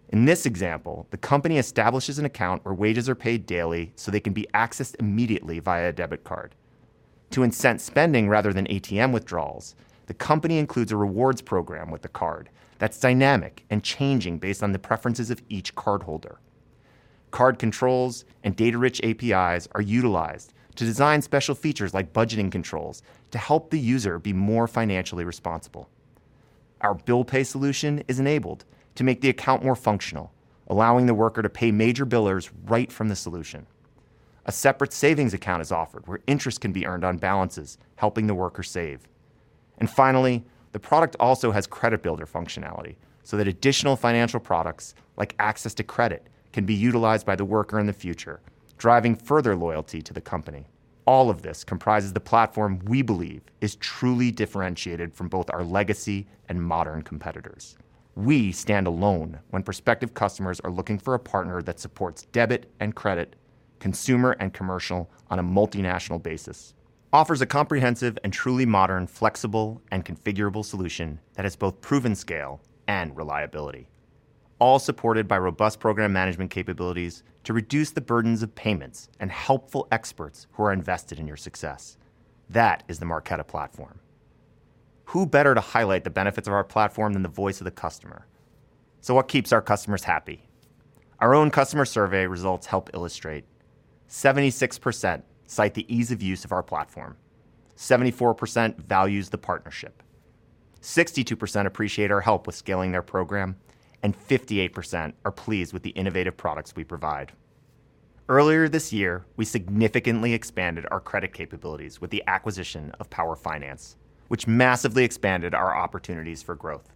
In this example, the company establishes an account where wages are paid daily, so they can be accessed immediately via a debit card. To incent spending rather than ATM withdrawals, the company includes a rewards program with the card that's dynamic and changing based on the preferences of each cardholder. Card controls and data-rich APIs are utilized to design special features like budgeting controls to help the user be more financially responsible. Our bill pay solution is enabled to make the account more functional, allowing the worker to pay major billers right from the solution. A separate savings account is offered, where interest can be earned on balances, helping the worker save. And finally, the product also has credit builder functionality, so that additional financial products, like access to credit, can be utilized by the worker in the future, driving further loyalty to the company. All of this comprises the platform we believe is truly differentiated from both our legacy and modern competitors. We stand alone when prospective customers are looking for a partner that supports debit and credit, consumer and commercial on a multinational basis, offers a comprehensive and truly modern, flexible, and configurable solution that has both proven scale and reliability, all supported by robust program management capabilities to reduce the burdens of payments and helpful experts who are invested in your success. That is the Marqeta platform. Who better to highlight the benefits of our platform than the voice of the customer? So what keeps our customers happy? Our own customer survey results help illustrate. 76% cite the ease of use of our platform, 74% values the partnership, 62% appreciate our help with scaling their program, and 58% are pleased with the innovative products we provide. Earlier this year, we significantly expanded our credit capabilities with the acquisition of Power Finance, which massively expanded our opportunities for growth.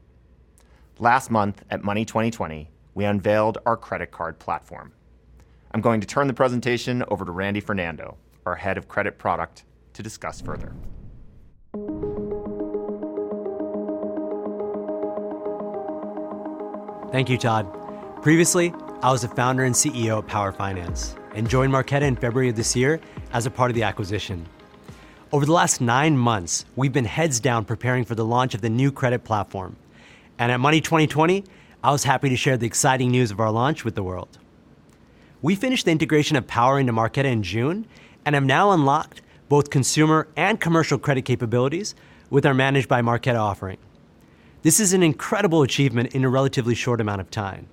Last month, at Money20/20, we unveiled our credit card platform. I'm going to turn the presentation over to Randy Fernando, our Head of Credit Product, to discuss further.
Thank you, Todd. Previously, I was the founder and CEO of Power Finance, and joined Marqeta in February of this year as a part of the acquisition. Over the last nine months, we've been heads down preparing for the launch of the new credit platform, and at Money20/20, I was happy to share the exciting news of our launch with the world. We finished the integration of Power into Marqeta in June, and have now unlocked both consumer and commercial credit capabilities with our Managed by Marqeta offering.... This is an incredible achievement in a relatively short amount of time.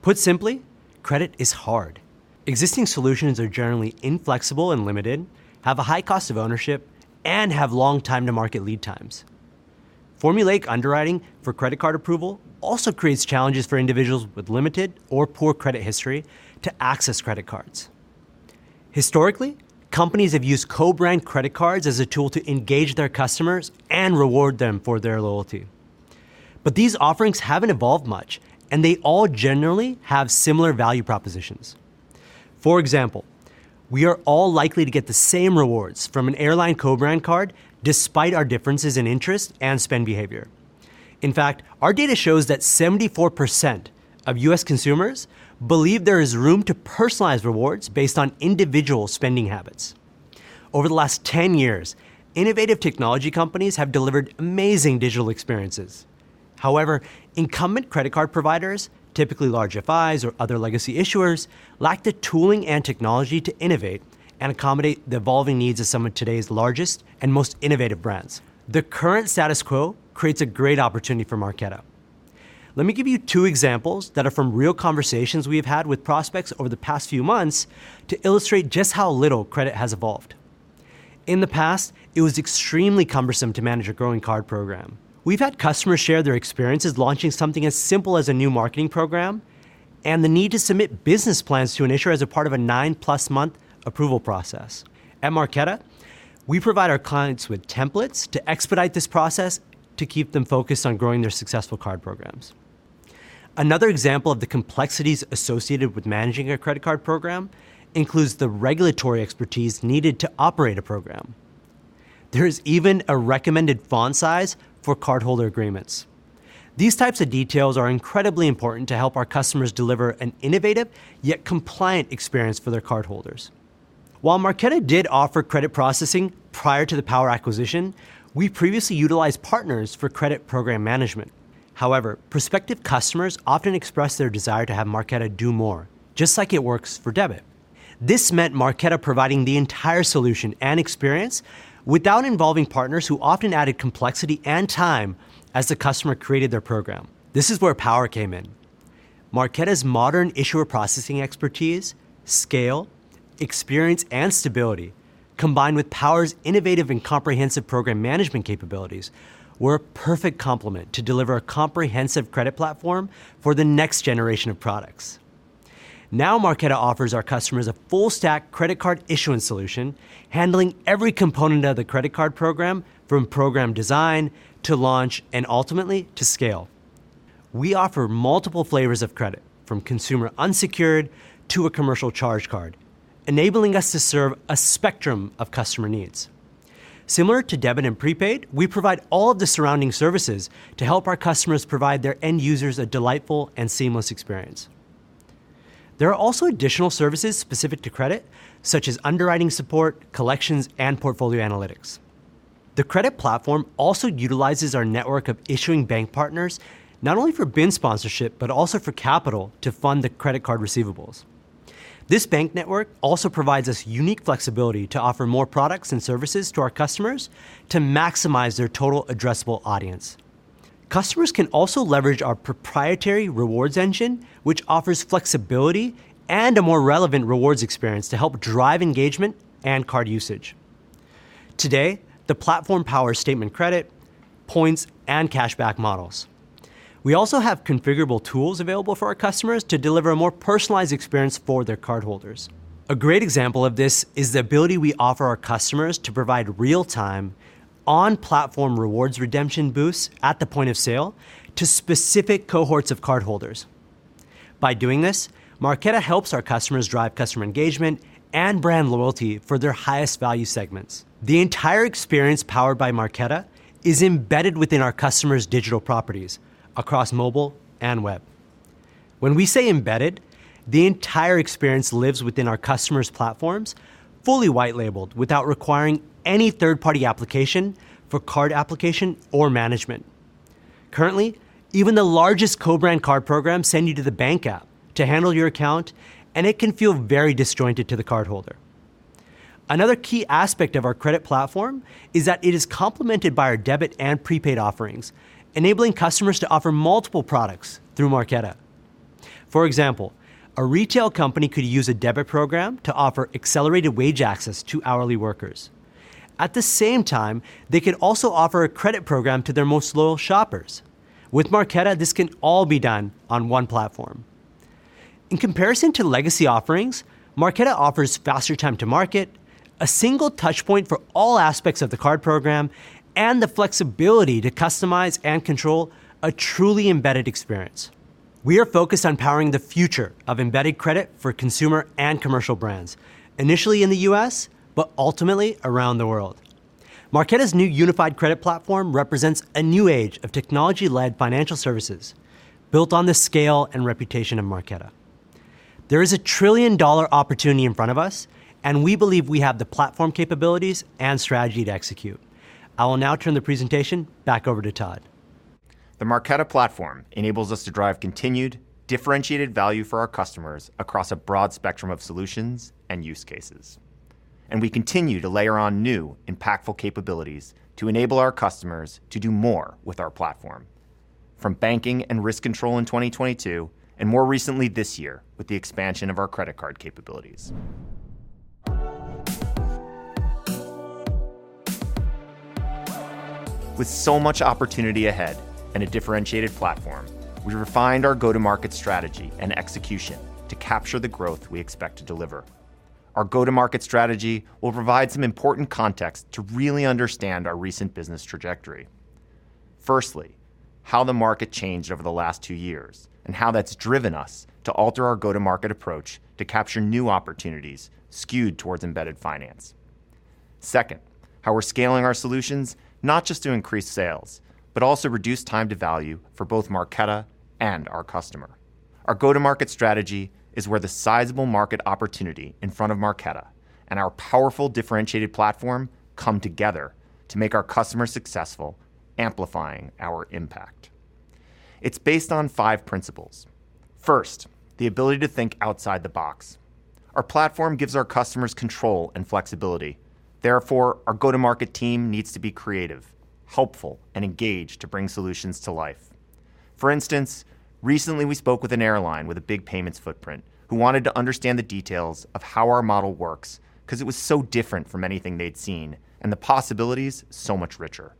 Put simply, credit is hard. Existing solutions are generally inflexible and limited, have a high cost of ownership, and have long time-to-market lead times. Formulaic underwriting for credit card approval also creates challenges for individuals with limited or poor credit history to access credit cards. Historically, companies have used co-brand credit cards as a tool to engage their customers and reward them for their loyalty. But these offerings haven't evolved much, and they all generally have similar value propositions. For example, we are all likely to get the same rewards from an airline co-brand card despite our differences in interest and spend behavior. In fact, our data shows that 74% of U.S. consumers believe there is room to personalize rewards based on individual spending habits. Over the last 10 years, innovative technology companies have delivered amazing digital experiences. However, incumbent credit card providers, typically large FIs or other legacy issuers, lack the tooling and technology to innovate and accommodate the evolving needs of some of today's largest and most innovative brands. The current status quo creates a great opportunity for Marqeta. Let me give you two examples that are from real conversations we have had with prospects over the past few months to illustrate just how little credit has evolved. In the past, it was extremely cumbersome to manage a growing card program. We've had customers share their experiences launching something as simple as a new marketing program and the need to submit business plans to an issuer as a part of a 9-plus month approval process. At Marqeta, we provide our clients with templates to expedite this process to keep them focused on growing their successful card programs. Another example of the complexities associated with managing a credit card program includes the regulatory expertise needed to operate a program. There is even a recommended font size for cardholder agreements. These types of details are incredibly important to help our customers deliver an innovative, yet compliant, experience for their cardholders. While Marqeta did offer credit processing prior to the Power acquisition, we previously utilized partners for credit program management. However, prospective customers often expressed their desire to have Marqeta do more, just like it works for debit. This meant Marqeta providing the entire solution and experience without involving partners who often added complexity and time as the customer created their program. This is where Power came in. Marqeta's modern issuer processing expertise, scale, experience, and stability, combined with Power's innovative and comprehensive program management capabilities, were a perfect complement to deliver a comprehensive credit platform for the next generation of products. Now, Marqeta offers our customers a full-stack credit card issuance solution, handling every component of the credit card program, from program design to launch, and ultimately, to scale. We offer multiple flavors of credit, from consumer unsecured to a commercial charge card, enabling us to serve a spectrum of customer needs. Similar to debit and prepaid, we provide all of the surrounding services to help our customers provide their end users a delightful and seamless experience. There are also additional services specific to credit, such as underwriting support, collections, and portfolio analytics. The credit platform also utilizes our network of issuing bank partners, not only for BIN sponsorship, but also for capital to fund the credit card receivables. This bank network also provides us unique flexibility to offer more products and services to our customers to maximize their total addressable audience. Customers can also leverage our proprietary rewards engine, which offers flexibility and a more relevant rewards experience to help drive engagement and card usage. Today, the platform powers statement credit, points, and cash-back models. We also have configurable tools available for our customers to deliver a more personalized experience for their cardholders. A great example of this is the ability we offer our customers to provide real-time, on-platform rewards redemption boosts at the point of sale to specific cohorts of cardholders. By doing this, Marqeta helps our customers drive customer engagement and brand loyalty for their highest value segments. The entire experience powered by Marqeta is embedded within our customers' digital properties across mobile and web. When we say embedded, the entire experience lives within our customers' platforms, fully white labeled, without requiring any third-party application for card application or management. Currently, even the largest co-brand card programs send you to the bank app to handle your account, and it can feel very disjointed to the cardholder. Another key aspect of our credit platform is that it is complemented by our debit and prepaid offerings, enabling customers to offer multiple products through Marqeta. For example, a retail company could use a debit program to offer accelerated wage access to hourly workers. At the same time, they could also offer a credit program to their most loyal shoppers. With Marqeta, this can all be done on one platform. In comparison to legacy offerings, Marqeta offers faster time to market, a single touch point for all aspects of the card program, and the flexibility to customize and control a truly embedded experience. We are focused on powering the future of embedded credit for consumer and commercial brands, initially in the U.S., but ultimately around the world. Marqeta's new unified credit platform represents a new age of technology-led financial services built on the scale and reputation of Marqeta. There is a trillion-dollar opportunity in front of us, and we believe we have the platform capabilities and strategy to execute. I will now turn the presentation back over to Todd.
The Marqeta platform enables us to drive continued differentiated value for our customers across a broad spectrum of solutions and use cases... and we continue to layer on new, impactful capabilities to enable our customers to do more with our platform, from banking and risk control in 2022, and more recently this year, with the expansion of our credit card capabilities. With so much opportunity ahead and a differentiated platform, we refined our go-to-market strategy and execution to capture the growth we expect to deliver. Our go-to-market strategy will provide some important context to really understand our recent business trajectory. Firstly, how the market changed over the last two years, and how that's driven us to alter our go-to-market approach to capture new opportunities skewed towards embedded finance. Second, how we're scaling our solutions, not just to increase sales, but also reduce time to value for both Marqeta and our customer. Our go-to-market strategy is where the sizable market opportunity in front of Marqeta and our powerful, differentiated platform come together to make our customers successful, amplifying our impact. It's based on five principles. First, the ability to think outside the box. Our platform gives our customers control and flexibility. Therefore, our go-to-market team needs to be creative, helpful, and engaged to bring solutions to life. For instance, recently, we spoke with an airline with a big payments footprint who wanted to understand the details of how our model works because it was so different from anything they'd seen, and the possibilities, so much richer.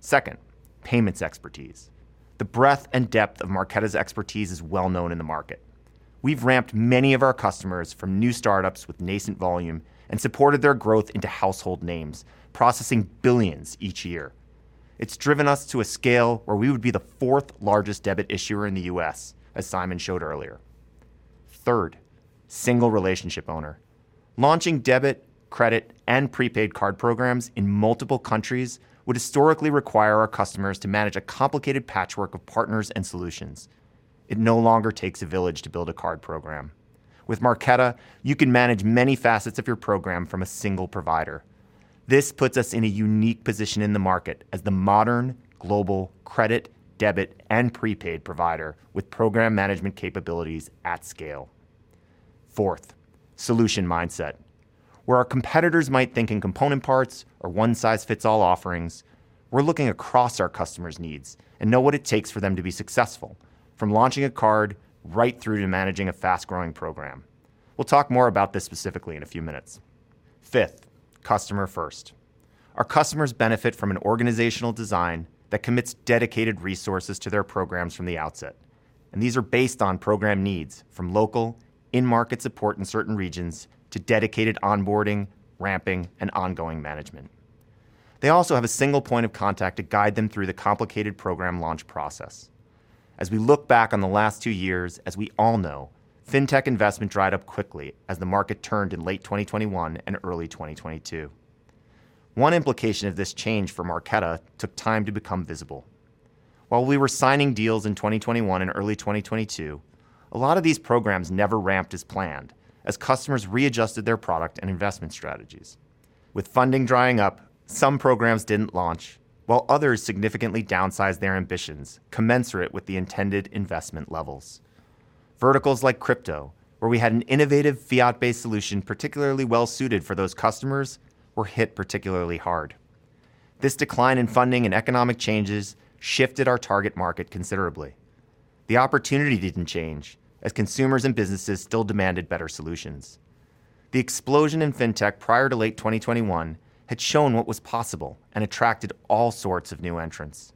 Second, payments expertise. The breadth and depth of Marqeta's expertise is well known in the market. We've ramped many of our customers from new startups with nascent volume and supported their growth into household names, processing billions each year. It's driven us to a scale where we would be the fourth-largest debit issuer in the U.S., as Simon showed earlier. Third, single relationship owner. Launching debit, credit, and prepaid card programs in multiple countries would historically require our customers to manage a complicated patchwork of partners and solutions. It no longer takes a village to build a card program. With Marqeta, you can manage many facets of your program from a single provider. This puts us in a unique position in the market as the modern global credit, debit, and prepaid provider with program management capabilities at scale. Fourth, solution mindset. Where our competitors might think in component parts or one-size-fits-all offerings, we're looking across our customers' needs and know what it takes for them to be successful, from launching a card right through to managing a fast-growing program. We'll talk more about this specifically in a few minutes. Fifth, customer first. Our customers benefit from an organizational design that commits dedicated resources to their programs from the outset, and these are based on program needs from local, in-market support in certain regions to dedicated onboarding, ramping, and ongoing management. They also have a single point of contact to guide them through the complicated program launch process. As we look back on the last two years, as we all know, fintech investment dried up quickly as the market turned in late 2021 and early 2022. One implication of this change for Marqeta took time to become visible. While we were signing deals in 2021 and early 2022, a lot of these programs never ramped as planned as customers readjusted their product and investment strategies. With funding drying up, some programs didn't launch, while others significantly downsized their ambitions, commensurate with the intended investment levels. Verticals like crypto, where we had an innovative fiat-based solution, particularly well-suited for those customers, were hit particularly hard. This decline in funding and economic changes shifted our target market considerably. The opportunity didn't change, as consumers and businesses still demanded better solutions. The explosion in fintech prior to late 2021 had shown what was possible and attracted all sorts of new entrants.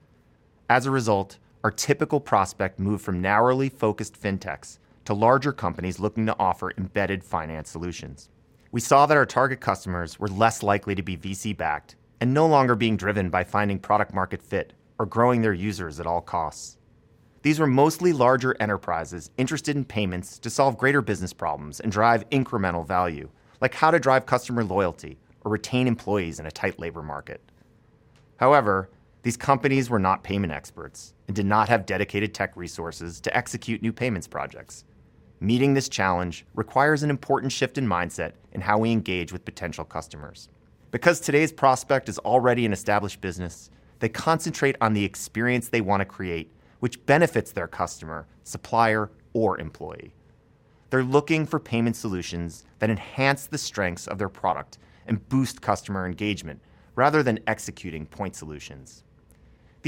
As a result, our typical prospect moved from narrowly focused fintechs to larger companies looking to offer embedded finance solutions. We saw that our target customers were less likely to be VC-backed and no longer being driven by finding product-market fit or growing their users at all costs. These were mostly larger enterprises interested in payments to solve greater business problems and drive incremental value, like how to drive customer loyalty or retain employees in a tight labor market. However, these companies were not payment experts and did not have dedicated tech resources to execute new payments projects. Meeting this challenge requires an important shift in mindset in how we engage with potential customers. Because today's prospect is already an established business, they concentrate on the experience they want to create, which benefits their customer, supplier, or employee. They're looking for payment solutions that enhance the strengths of their product and boost customer engagement rather than executing point solutions.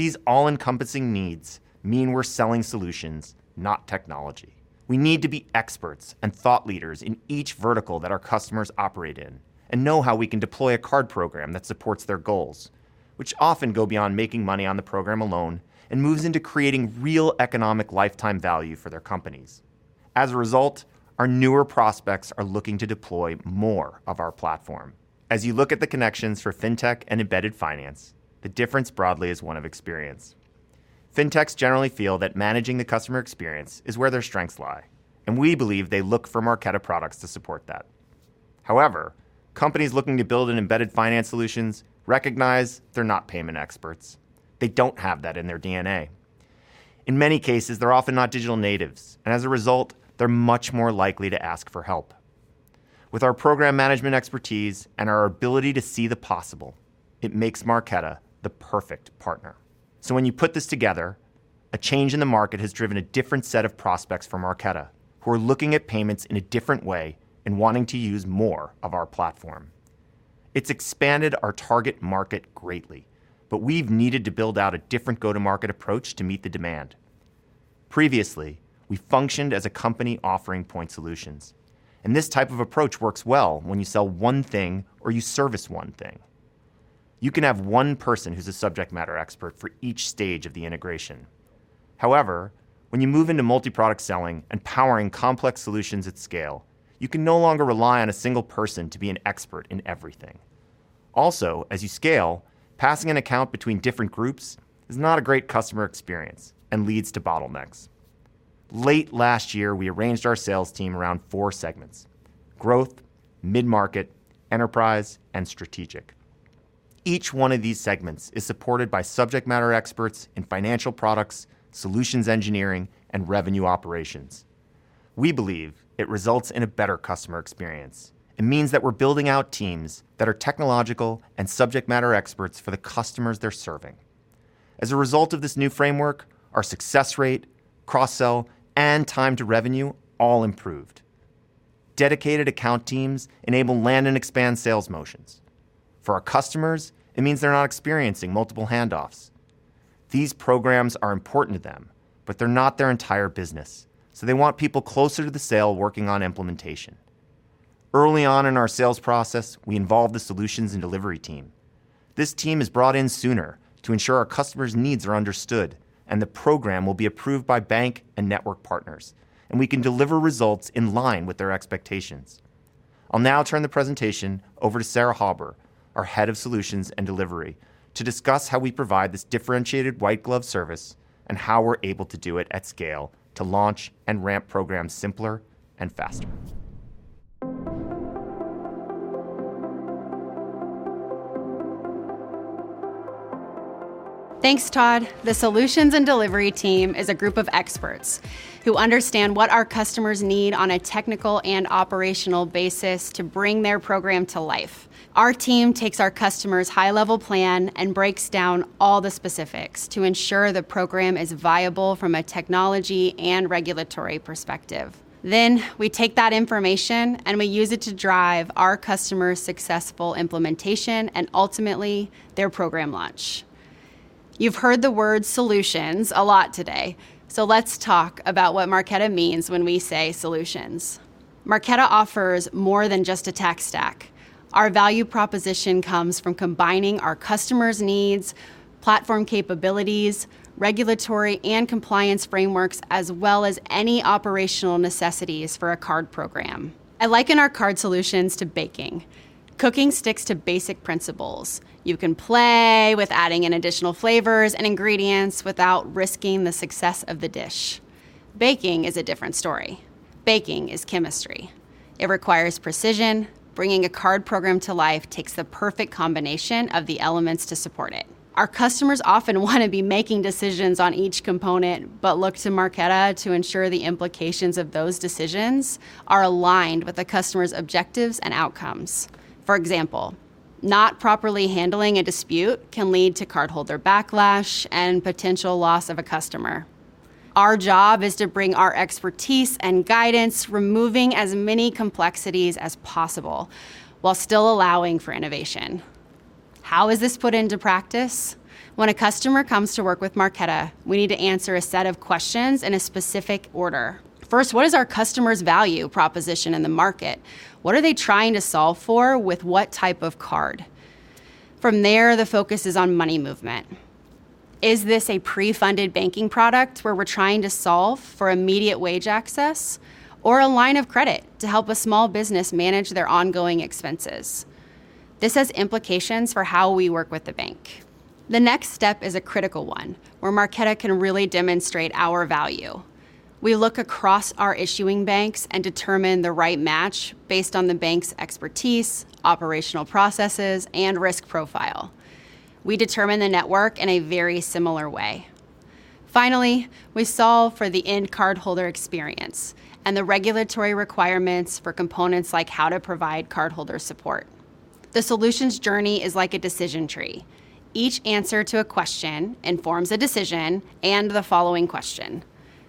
These all-encompassing needs mean we're selling solutions, not technology. We need to be experts and thought leaders in each vertical that our customers operate in and know how we can deploy a card program that supports their goals, which often go beyond making money on the program alone and moves into creating real economic lifetime value for their companies. As a result, our newer prospects are looking to deploy more of our platform. As you look at the connections for fintech and embedded finance, the difference broadly is one of experience. Fintechs generally feel that managing the customer experience is where their strengths lie, and we believe they look for Marqeta products to support that. However, companies looking to build an embedded finance solutions recognize they're not payment experts. They don't have that in their DNA. In many cases, they're often not digital natives, and as a result, they're much more likely to ask for help. With our program management expertise and our ability to see the possible, it makes Marqeta the perfect partner. So when you put this together,... A change in the market has driven a different set of prospects for Marqeta, who are looking at payments in a different way and wanting to use more of our platform. It's expanded our target market greatly, but we've needed to build out a different go-to-market approach to meet the demand. Previously, we functioned as a company offering point solutions, and this type of approach works well when you sell one thing or you service one thing. You can have one person who's a subject matter expert for each stage of the integration. However, when you move into multi-product selling and powering complex solutions at scale, you can no longer rely on a single person to be an expert in everything. Also, as you scale, passing an account between different groups is not a great customer experience and leads to bottlenecks. Late last year, we arranged our sales team around four segments: growth, mid-market, enterprise, and strategic. Each one of these segments is supported by subject matter experts in financial products, solutions engineering, and revenue operations. We believe it results in a better customer experience. It means that we're building out teams that are technological and subject matter experts for the customers they're serving. As a result of this new framework, our success rate, cross-sell, and time to revenue all improved. Dedicated account teams enable land and expand sales motions. For our customers, it means they're not experiencing multiple handoffs. These programs are important to them, but they're not their entire business, so they want people closer to the sale working on implementation. Early on in our sales process, we involved the solutions and delivery team. This team is brought in sooner to ensure our customers' needs are understood and the program will be approved by bank and network partners, and we can deliver results in line with their expectations. I'll now turn the presentation over to Sarah Hauber, our Head of Solutions and Delivery, to discuss how we provide this differentiated white glove service and how we're able to do it at scale to launch and ramp programs simpler and faster.
Thanks, Todd. The solutions and delivery team is a group of experts who understand what our customers need on a technical and operational basis to bring their program to life. Our team takes our customer's high-level plan and breaks down all the specifics to ensure the program is viable from a technology and regulatory perspective. Then we take that information, and we use it to drive our customer's successful implementation and ultimately their program launch. You've heard the word solutions a lot today, so let's talk about what Marqeta means when we say solutions. Marqeta offers more than just a tech stack. Our value proposition comes from combining our customers' needs, platform capabilities, regulatory and compliance frameworks, as well as any operational necessities for a card program. I liken our card solutions to baking. Cooking sticks to basic principles. You can play with adding in additional flavors and ingredients without risking the success of the dish. Baking is a different story. Baking is chemistry. It requires precision. Bringing a card program to life takes the perfect combination of the elements to support it. Our customers often wanna be making decisions on each component, but look to Marqeta to ensure the implications of those decisions are aligned with the customer's objectives and outcomes. For example, not properly handling a dispute can lead to cardholder backlash and potential loss of a customer. Our job is to bring our expertise and guidance, removing as many complexities as possible, while still allowing for innovation. How is this put into practice? When a customer comes to work with Marqeta, we need to answer a set of questions in a specific order. First, what is our customer's value proposition in the market? What are they trying to solve for, with what type of card? From there, the focus is on money movement. Is this a pre-funded banking product, where we're trying to solve for immediate wage access, or a line of credit to help a small business manage their ongoing expenses? This has implications for how we work with the bank. The next step is a critical one, where Marqeta can really demonstrate our value. We look across our issuing banks and determine the right match based on the bank's expertise, operational processes, and risk profile. We determine the network in a very similar way. Finally, we solve for the end cardholder experience and the regulatory requirements for components like how to provide cardholder support. The solutions journey is like a decision tree. Each answer to a question informs a decision and the following question.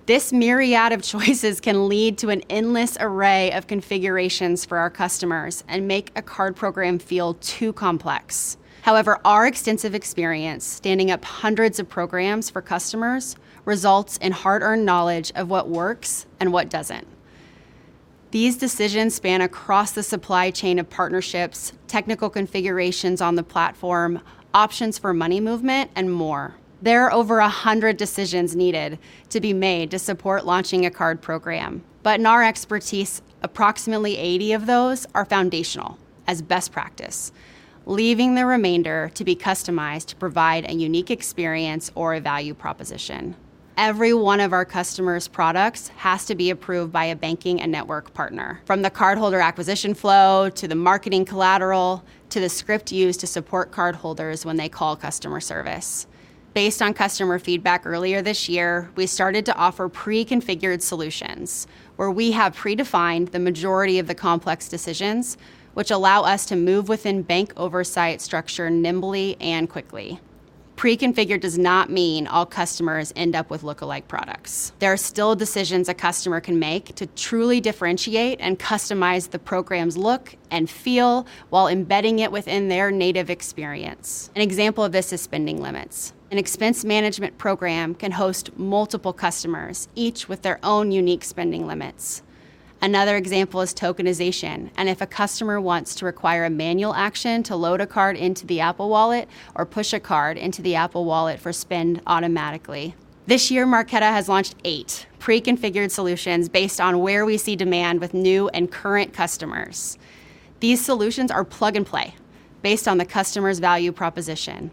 This myriad of choices can lead to an endless array of configurations for our customers and make a card program feel too complex. However, our extensive experience, standing up hundreds of programs for customers, results in hard-earned knowledge of what works and what doesn't. These decisions span across the supply chain of partnerships, technical configurations on the platform, options for money movement, and more. There are over 100 decisions needed to be made to support launching a card program, but in our expertise, approximately 80 of those are foundational as best practice, leaving the remainder to be customized to provide a unique experience or a value proposition. Every one of our customers' products has to be approved by a banking and network partner, from the cardholder acquisition flow, to the marketing collateral, to the script used to support cardholders when they call customer service. Based on customer feedback earlier this year, we started to offer pre-configured solutions, where we have predefined the majority of the complex decisions, which allow us to move within bank oversight structure nimbly and quickly. Pre-configured does not mean all customers end up with lookalike products. There are still decisions a customer can make to truly differentiate and customize the program's look and feel while embedding it within their native experience. An example of this is spending limits. An expense management program can host multiple customers, each with their own unique spending limits. Another example is tokenization, and if a customer wants to require a manual action to load a card into the Apple Wallet or push a card into the Apple Wallet for spend automatically. This year, Marqeta has launched eight pre-configured solutions based on where we see demand with new and current customers. These solutions are plug-and-play based on the customer's value proposition.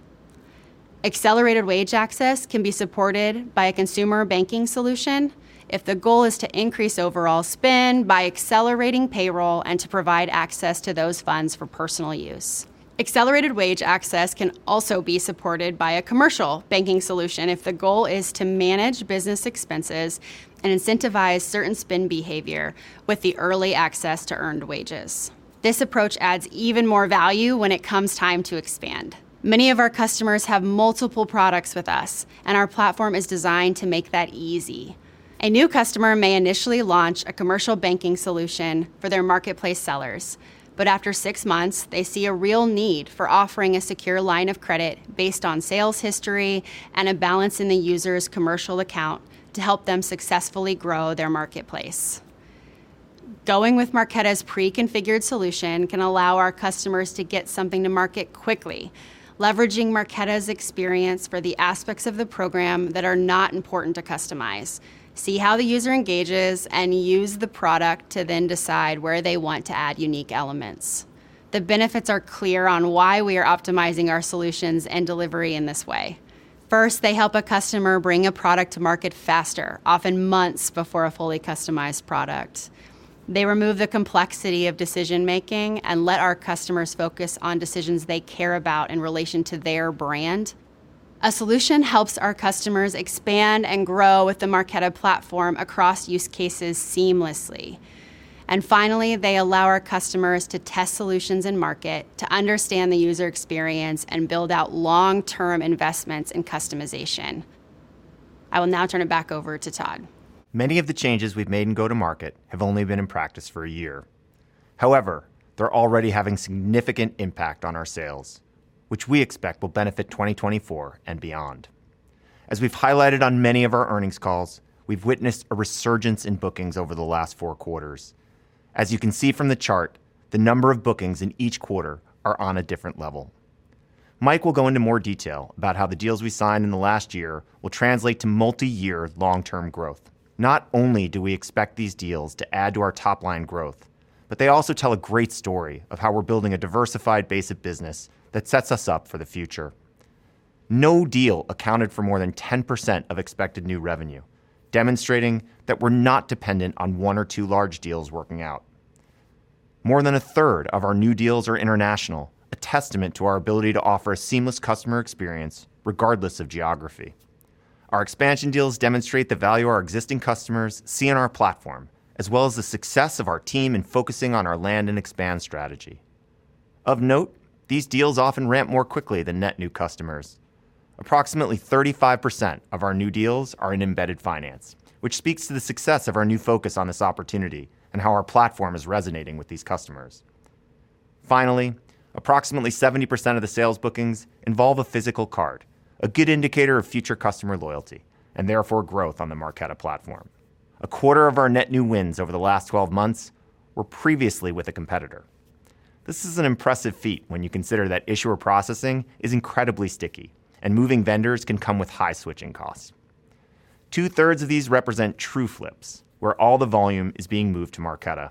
Accelerated Wage Access can be supported by a consumer banking solution if the goal is to increase overall spend by accelerating payroll and to provide access to those funds for personal use. Accelerated Wage Access can also be supported by a commercial banking solution if the goal is to manage business expenses and incentivize certain spend behavior with the early access to earned wages. This approach adds even more value when it comes time to expand. Many of our customers have multiple products with us, and our platform is designed to make that easy. A new customer may initially launch a commercial banking solution for their marketplace sellers, but after six months, they see a real need for offering a secure line of credit based on sales history and a balance in the user's commercial account to help them successfully grow their marketplace. Going with Marqeta's pre-configured solution can allow our customers to get something to market quickly, leveraging Marqeta's experience for the aspects of the program that are not important to customize, see how the user engages, and use the product to then decide where they want to add unique elements. The benefits are clear on why we are optimizing our solutions and delivery in this way. First, they help a customer bring a product to market faster, often months before a fully customized product. They remove the complexity of decision-making and let our customers focus on decisions they care about in relation to their brand. A solution helps our customers expand and grow with the Marqeta platform across use cases seamlessly. And finally, they allow our customers to test solutions in market, to understand the user experience, and build out long-term investments in customization. I will now turn it back over to Todd.
Many of the changes we've made in go-to-market have only been in practice for a year. However, they're already having significant impact on our sales, which we expect will benefit 2024 and beyond. As we've highlighted on many of our earnings calls, we've witnessed a resurgence in bookings over the last four quarters. As you can see from the chart, the number of bookings in each quarter are on a different level. Mike will go into more detail about how the deals we signed in the last year will translate to multi-year long-term growth. Not only do we expect these deals to add to our top-line growth, but they also tell a great story of how we're building a diversified base of business that sets us up for the future. No deal accounted for more than 10% of expected new revenue, demonstrating that we're not dependent on one or two large deals working out. More than a third of our new deals are international, a testament to our ability to offer a seamless customer experience regardless of geography. Our expansion deals demonstrate the value our existing customers see in our platform, as well as the success of our team in focusing on our land and expand strategy. Of note, these deals often ramp more quickly than net new customers. Approximately 35% of our new deals are in embedded finance, which speaks to the success of our new focus on this opportunity and how our platform is resonating with these customers. Finally, approximately 70% of the sales bookings involve a physical card, a good indicator of future customer loyalty and therefore growth on the Marqeta platform. A quarter of our net new wins over the last 12 months were previously with a competitor. This is an impressive feat when you consider that issuer processing is incredibly sticky and moving vendors can come with high switching costs. Two-thirds of these represent true flips, where all the volume is being moved to Marqeta.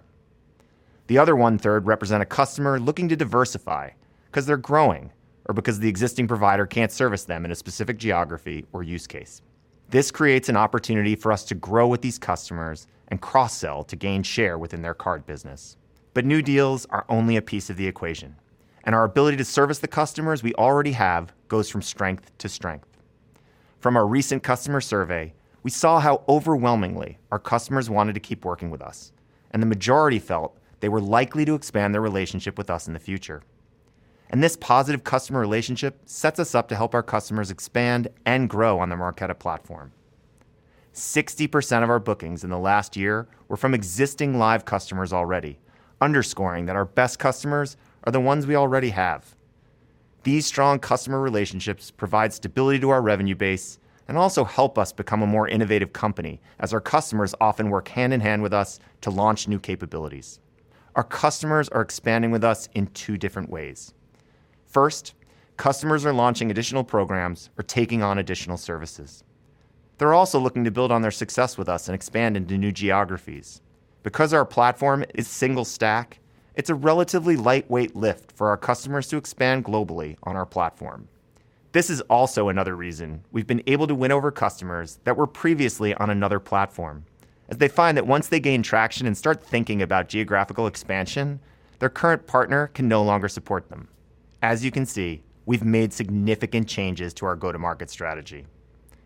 The other one-third represent a customer looking to diversify because they're growing or because the existing provider can't service them in a specific geography or use case. This creates an opportunity for us to grow with these customers and cross-sell to gain share within their card business. New deals are only a piece of the equation, and our ability to service the customers we already have goes from strength to strength. From our recent customer survey, we saw how overwhelmingly our customers wanted to keep working with us, and the majority felt they were likely to expand their relationship with us in the future. This positive customer relationship sets us up to help our customers expand and grow on the Marqeta platform. 60% of our bookings in the last year were from existing live customers already, underscoring that our best customers are the ones we already have. These strong customer relationships provide stability to our revenue base and also help us become a more innovative company, as our customers often work hand-in-hand with us to launch new capabilities. Our customers are expanding with us in two different ways. First, customers are launching additional programs or taking on additional services. They're also looking to build on their success with us and expand into new geographies. Because our platform is single stack, it's a relatively lightweight lift for our customers to expand globally on our platform. This is also another reason we've been able to win over customers that were previously on another platform, as they find that once they gain traction and start thinking about geographical expansion, their current partner can no longer support them. As you can see, we've made significant changes to our go-to-market strategy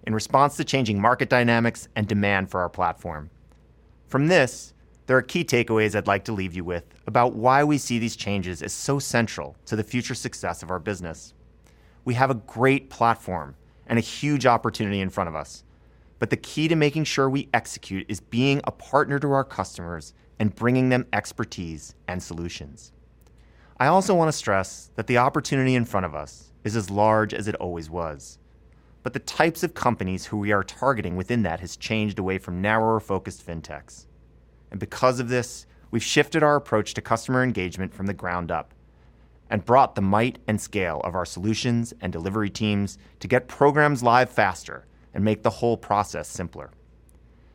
in response to changing market dynamics and demand for our platform. From this, there are key takeaways I'd like to leave you with about why we see these changes as so central to the future success of our business. We have a great platform and a huge opportunity in front of us, but the key to making sure we execute is being a partner to our customers and bringing them expertise and solutions. I also want to stress that the opportunity in front of us is as large as it always was, but the types of companies who we are targeting within that has changed away from narrower-focused fintechs. Because of this, we've shifted our approach to customer engagement from the ground up and brought the might and scale of our solutions and delivery teams to get programs live faster and make the whole process simpler.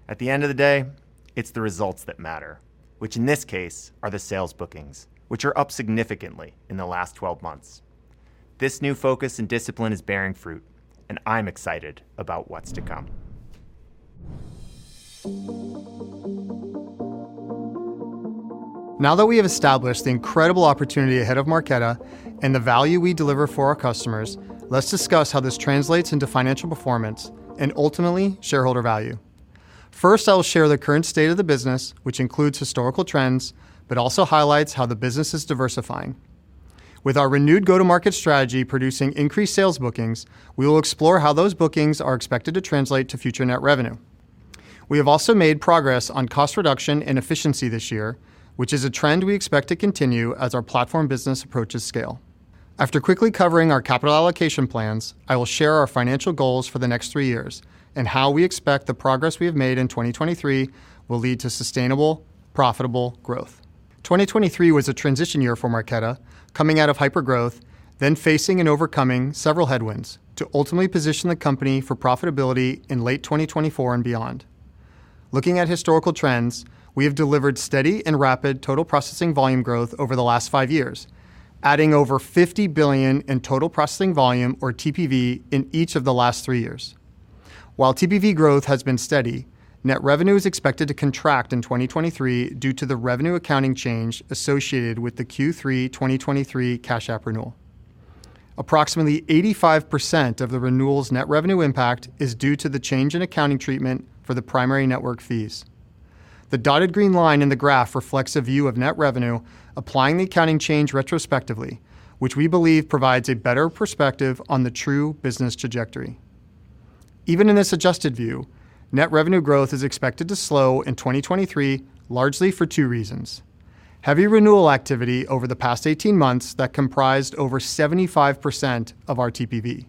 At the end of the day, it's the results that matter, which in this case are the sales bookings, which are up significantly in the last 12 months. This new focus and discipline is bearing fruit, and I'm excited about what's to come.
Now that we have established the incredible opportunity ahead of Marqeta and the value we deliver for our customers, let's discuss how this translates into financial performance and ultimately shareholder value. First, I will share the current state of the business, which includes historical trends, but also highlights how the business is diversifying. With our renewed go-to-market strategy producing increased sales bookings, we will explore how those bookings are expected to translate to future net revenue. We have also made progress on cost reduction and efficiency this year, which is a trend we expect to continue as our platform business approaches scale. After quickly covering our capital allocation plans, I will share our financial goals for the next three years and how we expect the progress we have made in 2023 will lead to sustainable, profitable growth. 2023 was a transition year for Marqeta, coming out of hypergrowth, then facing and overcoming several headwinds, to ultimately position the company for profitability in late 2024 and beyond. Looking at historical trends, we have delivered steady and rapid total processing volume growth over the last 5 years, adding over $50,000,000,000 in total processing volume, or TPV, in each of the last 3 years. While TPV growth has been steady, net revenue is expected to contract in 2023 due to the revenue accounting change associated with the Q3 2023 Cash App renewal. Approximately 85% of the renewal's net revenue impact is due to the change in accounting treatment for the primary network fees. The dotted green line in the graph reflects a view of net revenue applying the accounting change retrospectively, which we believe provides a better perspective on the true business trajectory. Even in this adjusted view, net revenue growth is expected to slow in 2023, largely for two reasons: heavy renewal activity over the past 18 months that comprised over 75% of our TPV.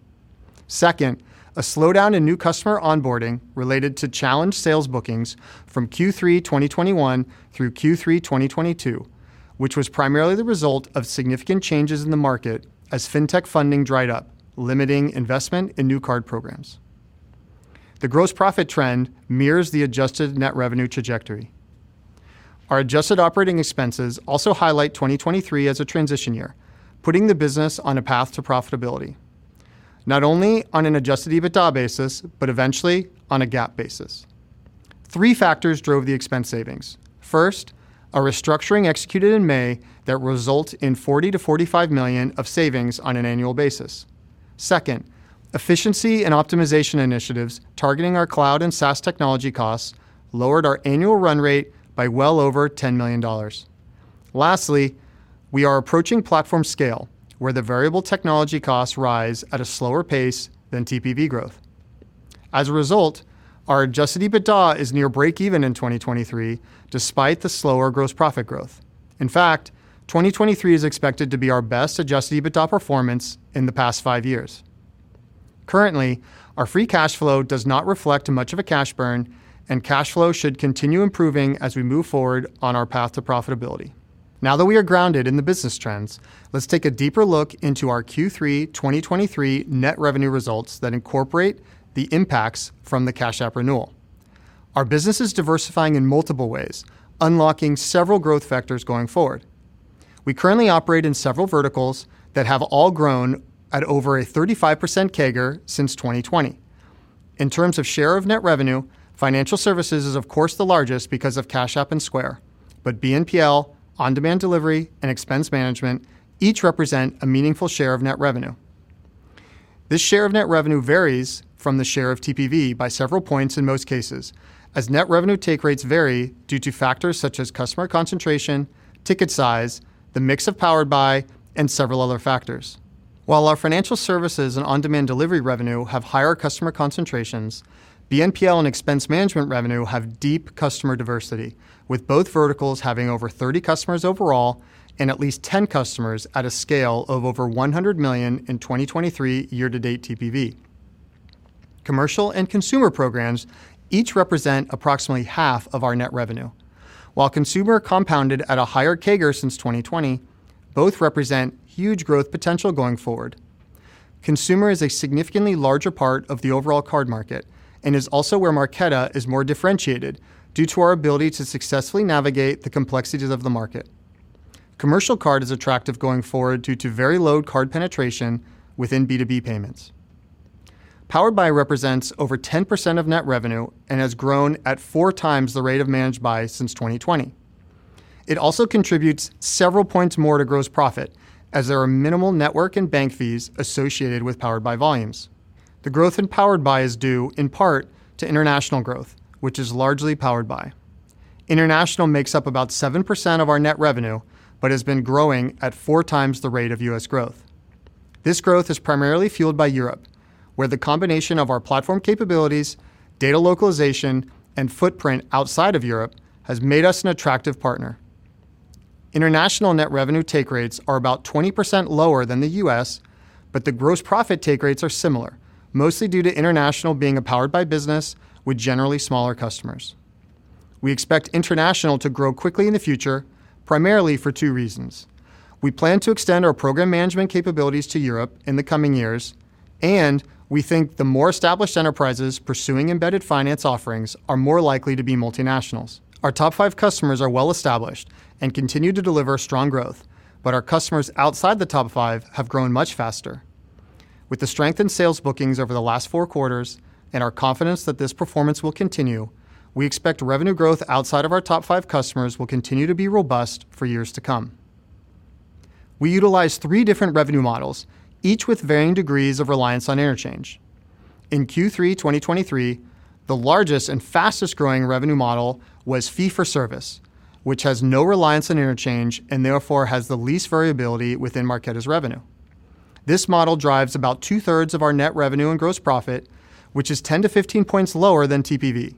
Second, a slowdown in new customer onboarding related to challenged sales bookings from Q3 2021 through Q3 2022, which was primarily the result of significant changes in the market as fintech funding dried up, limiting investment in new card programs. The gross profit trend mirrors the adjusted net revenue trajectory. Our adjusted operating expenses also highlight 2023 as a transition year, putting the business on a path to profitability, not only on an adjusted EBITDA basis, but eventually on a GAAP basis. Three factors drove the expense savings. First, a restructuring executed in May that will result in $40,000,000-$45,000,000 of savings on an annual basis. Second, efficiency and optimization initiatives targeting our cloud and SaaS technology costs lowered our annual run rate by well over $10,000,000. Lastly, we are approaching platform scale, where the variable technology costs rise at a slower pace than TPV growth. As a result, our adjusted EBITDA is near breakeven in 2023, despite the slower gross profit growth. In fact, 2023 is expected to be our best adjusted EBITDA performance in the past 5 years. Currently, our free cash flow does not reflect much of a cash burn, and cash flow should continue improving as we move forward on our path to profitability. Now that we are grounded in the business trends, let's take a deeper look into our Q3 2023 net revenue results that incorporate the impacts from the Cash App renewal. Our business is diversifying in multiple ways, unlocking several growth vectors going forward. We currently operate in several verticals that have all grown at over a 35% CAGR since 2020. In terms of share of net revenue, financial services is, of course, the largest because of Cash App and Square, but BNPL, on-demand delivery, and expense management each represent a meaningful share of net revenue. This share of net revenue varies from the share of TPV by several points in most cases, as net revenue take rates vary due to factors such as customer concentration, ticket size, the mix of Powered by, and several other factors. While our financial services and on-demand delivery revenue have higher customer concentrations, BNPL and expense management revenue have deep customer diversity, with both verticals having over 30 customers overall and at least 10 customers at a scale of over $100,000,000 in 2023 year-to-date TPV. Commercial and consumer programs each represent approximately half of our net revenue. While consumer compounded at a higher CAGR since 2020, both represent huge growth potential going forward. Consumer is a significantly larger part of the overall card market and is also where Marqeta is more differentiated due to our ability to successfully navigate the complexities of the market. Commercial card is attractive going forward due to very low card penetration within B2B payments. Powered by represents over 10% of net revenue and has grown at 4 times the rate of Managed by since 2020. It also contributes several points more to gross profit, as there are minimal network and bank fees associated with Powered by volumes. The growth in Powered by is due in part to international growth, which is largely Powered by. International makes up about 7% of our net revenue, but has been growing at 4x the rate of U.S. growth. This growth is primarily fueled by Europe, where the combination of our platform capabilities, data localization, and footprint outside of Europe has made us an attractive partner. International net revenue take rates are about 20% lower than the U.S., but the gross profit take rates are similar, mostly due to international being a Powered by business with generally smaller customers. We expect international to grow quickly in the future, primarily for 2 reasons. We plan to extend our program management capabilities to Europe in the coming years, and we think the more established enterprises pursuing embedded finance offerings are more likely to be multinationals. Our top 5 customers are well-established and continue to deliver strong growth, but our customers outside the top 5 have grown much faster. With the strength in sales bookings over the last four quarters and our confidence that this performance will continue, we expect revenue growth outside of our top five customers will continue to be robust for years to come. We utilize three different revenue models, each with varying degrees of reliance on interchange. In Q3 2023, the largest and fastest-growing revenue model was fee for service, which has no reliance on interchange and therefore has the least variability within Marqeta's revenue. This model drives about two-thirds of our net revenue and gross profit, which is 10-15 points lower than TPV,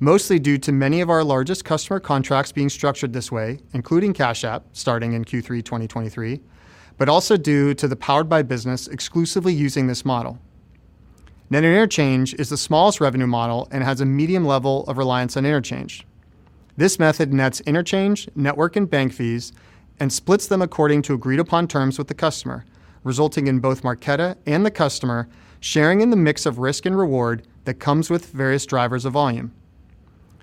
mostly due to many of our largest customer contracts being structured this way, including Cash App, starting in Q3 2023, but also due to the Powered by business exclusively using this model. Net interchange is the smallest revenue model and has a medium level of reliance on interchange. This method nets interchange, network, and bank fees and splits them according to agreed-upon terms with the customer, resulting in both Marqeta and the customer sharing in the mix of risk and reward that comes with various drivers of volume.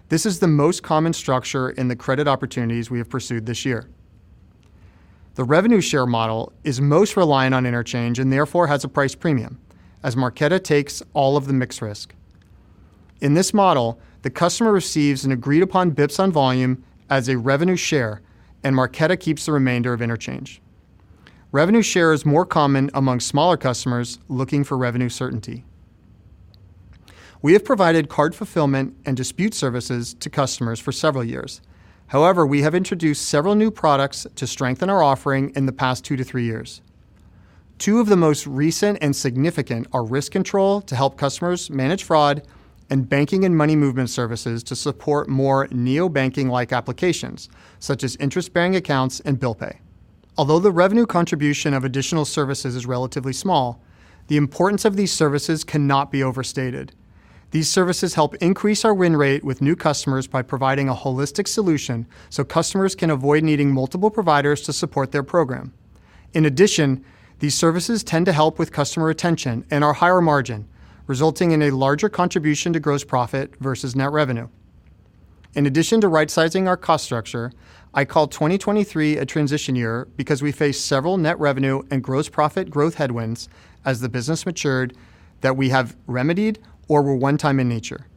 This is the most common structure in the credit opportunities we have pursued this year. The revenue share model is most reliant on interchange and therefore has a price premium, as Marqeta takes all of the mix risk. In this model, the customer receives an agreed-upon bps on volume as a revenue share, and Marqeta keeps the remainder of interchange. Revenue share is more common among smaller customers looking for revenue certainty. We have provided card fulfillment and dispute services to customers for several years. However, we have introduced several new products to strengthen our offering in the past 2-3 years. Two of the most recent and significant are RiskControl to help customers manage fraud, and banking and money movement services to support more neobanking-like applications, such as interest-bearing accounts and bill pay. Although the revenue contribution of additional services is relatively small, the importance of these services cannot be overstated. These services help increase our win rate with new customers by providing a holistic solution, so customers can avoid needing multiple providers to support their program. In addition, these services tend to help with customer retention and are higher margin, resulting in a larger contribution to gross profit versus net revenue. In addition to right-sizing our cost structure, I call 2023 a transition year because we faced several net revenue and gross profit growth headwinds as the business matured that we have remedied or were one-time in nature.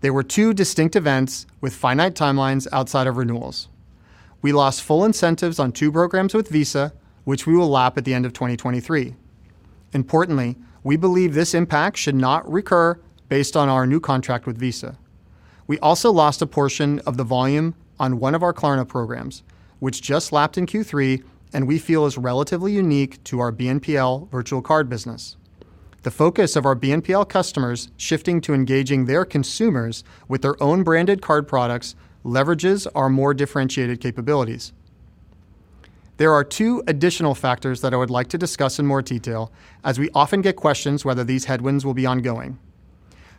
They were two distinct events with finite timelines outside of renewals. We lost full incentives on two programs with Visa, which we will lap at the end of 2023. Importantly, we believe this impact should not recur based on our new contract with Visa. We also lost a portion of the volume on one of our Klarna programs, which just lapped in Q3, and we feel is relatively unique to our BNPL virtual card business. The focus of our BNPL customers shifting to engaging their consumers with their own branded card products leverages our more differentiated capabilities. There are two additional factors that I would like to discuss in more detail, as we often get questions whether these headwinds will be ongoing.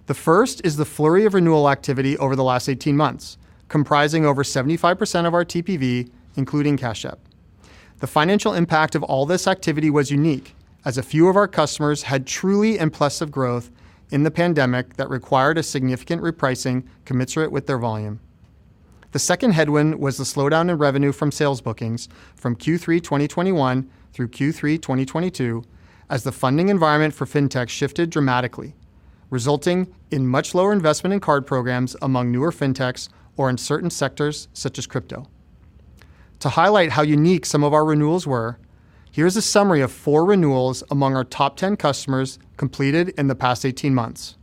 The first is the flurry of renewal activity over the last 18 months, comprising over 75% of our TPV, including Cash App. The financial impact of all this activity was unique, as a few of our customers had truly impressive growth in the pandemic that required a significant repricing commensurate with their volume. The second headwind was the slowdown in revenue from sales bookings from Q3 2021 through Q3 2022, as the funding environment for fintech shifted dramatically, resulting in much lower investment in card programs among newer fintechs or in certain sectors, such as crypto. To highlight how unique some of our renewals were, here's a summary of four renewals among our top ten customers completed in the past eighteen months.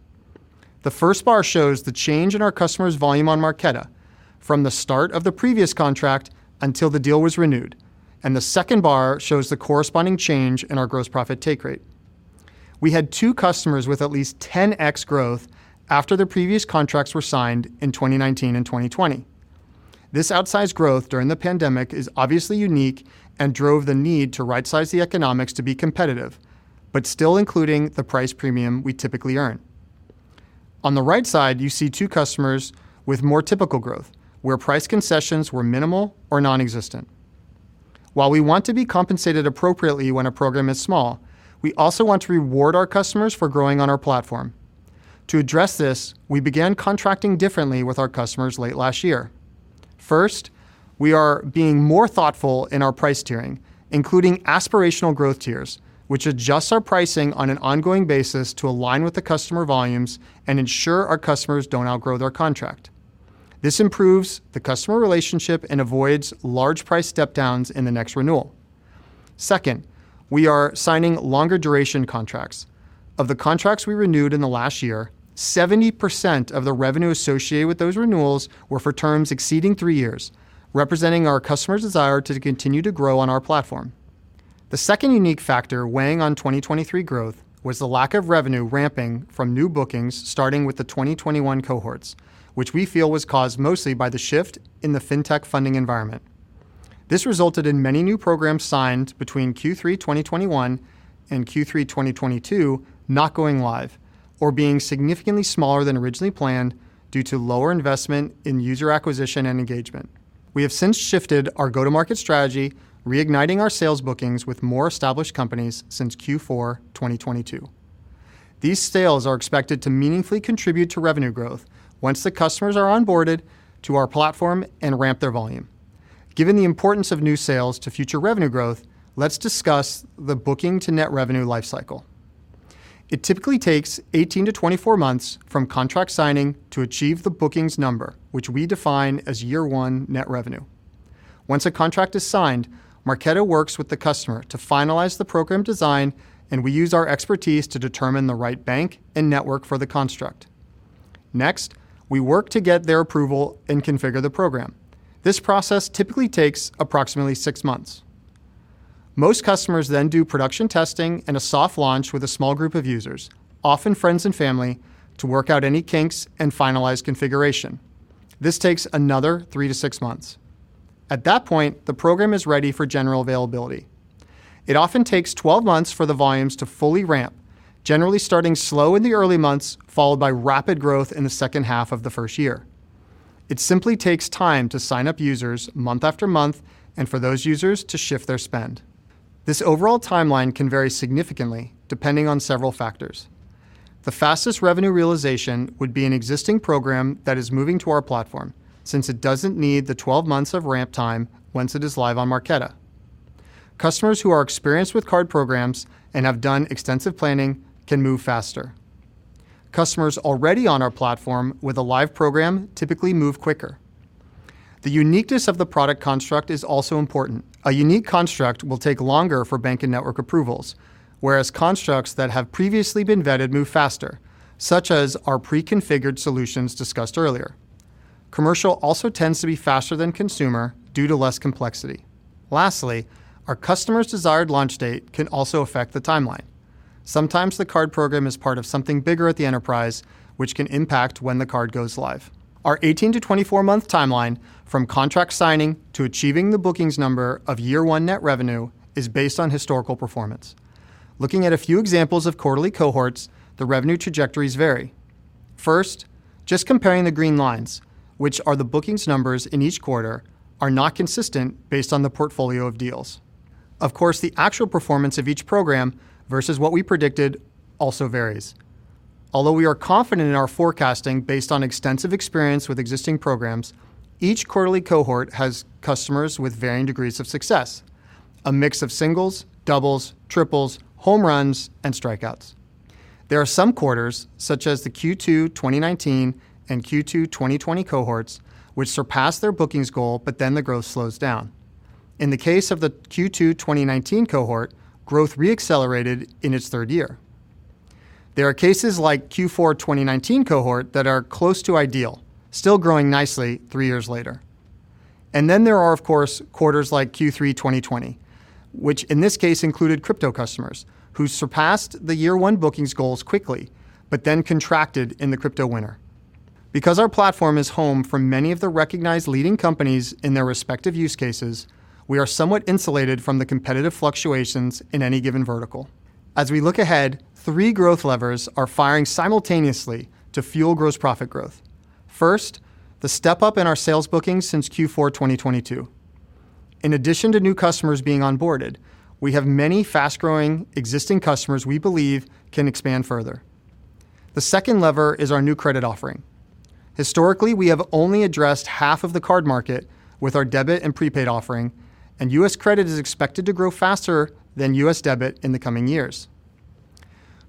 The first bar shows the change in our customer's volume on Marqeta from the start of the previous contract until the deal was renewed, and the second bar shows the corresponding change in our gross profit take rate. We had two customers with at least 10x growth after their previous contracts were signed in 2019 and 2020. This outsized growth during the pandemic is obviously unique and drove the need to rightsize the economics to be competitive, but still including the price premium we typically earn. On the right side, you see two customers with more typical growth, where price concessions were minimal or nonexistent. While we want to be compensated appropriately when a program is small, we also want to reward our customers for growing on our platform. To address this, we began contracting differently with our customers late last year. First, we are being more thoughtful in our price tiering, including aspirational growth tiers, which adjusts our pricing on an ongoing basis to align with the customer volumes and ensure our customers don't outgrow their contract. This improves the customer relationship and avoids large price step downs in the next renewal. Second, we are signing longer duration contracts. Of the contracts we renewed in the last year, 70% of the revenue associated with those renewals were for terms exceeding three years, representing our customers' desire to continue to grow on our platform. The second unique factor weighing on 2023 growth was the lack of revenue ramping from new bookings, starting with the 2021 cohorts, which we feel was caused mostly by the shift in the fintech funding environment. This resulted in many new programs signed between Q3 2021 and Q3 2022, not going live or being significantly smaller than originally planned, due to lower investment in user acquisition and engagement. We have since shifted our go-to-market strategy, reigniting our sales bookings with more established companies since Q4 2022. These sales are expected to meaningfully contribute to revenue growth once the customers are onboarded to our platform and ramp their volume. Given the importance of new sales to future revenue growth, let's discuss the booking to net revenue lifecycle. It typically takes 18-24 months from contract signing to achieve the bookings number, which we define as year one net revenue. Once a contract is signed, Marqeta works with the customer to finalize the program design, and we use our expertise to determine the right bank and network for the construct. Next, we work to get their approval and configure the program. This process typically takes approximately 6 months. Most customers then do production testing and a soft launch with a small group of users, often friends and family, to work out any kinks and finalize configuration. This takes another 3-6 months. At that point, the program is ready for general availability. It often takes 12 months for the volumes to fully ramp, generally starting slow in the early months, followed by rapid growth in the second half of the first year. It simply takes time to sign up users month after month and for those users to shift their spend. This overall timeline can vary significantly depending on several factors. The fastest revenue realization would be an existing program that is moving to our platform, since it doesn't need the 12 months of ramp time once it is live on Marqeta. Customers who are experienced with card programs and have done extensive planning can move faster. Customers already on our platform with a live program typically move quicker. The uniqueness of the product construct is also important. A unique construct will take longer for bank and network approvals, whereas constructs that have previously been vetted move faster, such as our pre-configured solutions discussed earlier. Commercial also tends to be faster than consumer due to less complexity. Lastly, our customer's desired launch date can also affect the timeline. Sometimes the card program is part of something bigger at the enterprise, which can impact when the card goes live. Our 18-24-month timeline from contract signing to achieving the bookings number of year one net revenue is based on historical performance. Looking at a few examples of quarterly cohorts, the revenue trajectories vary. First, just comparing the green lines, which are the bookings numbers in each quarter, are not consistent based on the portfolio of deals. Of course, the actual performance of each program versus what we predicted also varies. Although we are confident in our forecasting based on extensive experience with existing programs, each quarterly cohort has customers with varying degrees of success, a mix of singles, doubles, triples, home runs, and strikeouts. There are some quarters, such as the Q2 2019 and Q2 2020 cohorts, which surpass their bookings goal, but then the growth slows down. In the case of the Q2 2019 cohort, growth re-accelerated in its third year. There are cases like Q4 2019 cohort that are close to ideal, still growing nicely three years later. And then there are, of course, quarters like Q3 2020, which in this case included crypto customers who surpassed the year one bookings goals quickly, but then contracted in the crypto winter. Because our platform is home for many of the recognized leading companies in their respective use cases, we are somewhat insulated from the competitive fluctuations in any given vertical. As we look ahead, three growth levers are firing simultaneously to fuel gross profit growth. First, the step-up in our sales bookings since Q4 2022. In addition to new customers being onboarded, we have many fast-growing existing customers we believe can expand further. The second lever is our new credit offering. Historically, we have only addressed half of the card market with our debit and prepaid offering, and U.S. credit is expected to grow faster than U.S. debit in the coming years.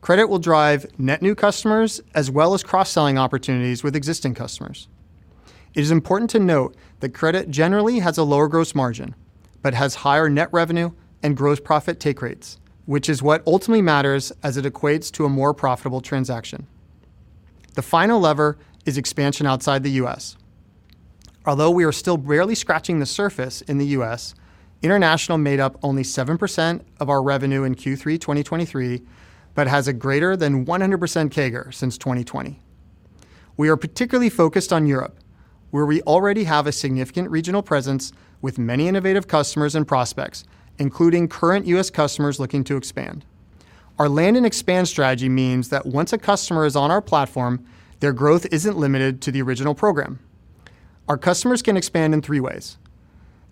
Credit will drive net new customers, as well as cross-selling opportunities with existing customers. It is important to note that credit generally has a lower gross margin, but has higher net revenue and gross profit take rates, which is what ultimately matters as it equates to a more profitable transaction. The final lever is expansion outside the U.S. Although we are still barely scratching the surface in the U.S., international made up only 7% of our revenue in Q3 2023, but has a greater than 100% CAGR since 2020. We are particularly focused on Europe, where we already have a significant regional presence with many innovative customers and prospects, including current U.S. customers looking to expand. Our land and expand strategy means that once a customer is on our platform, their growth isn't limited to the original program. Our customers can expand in three ways: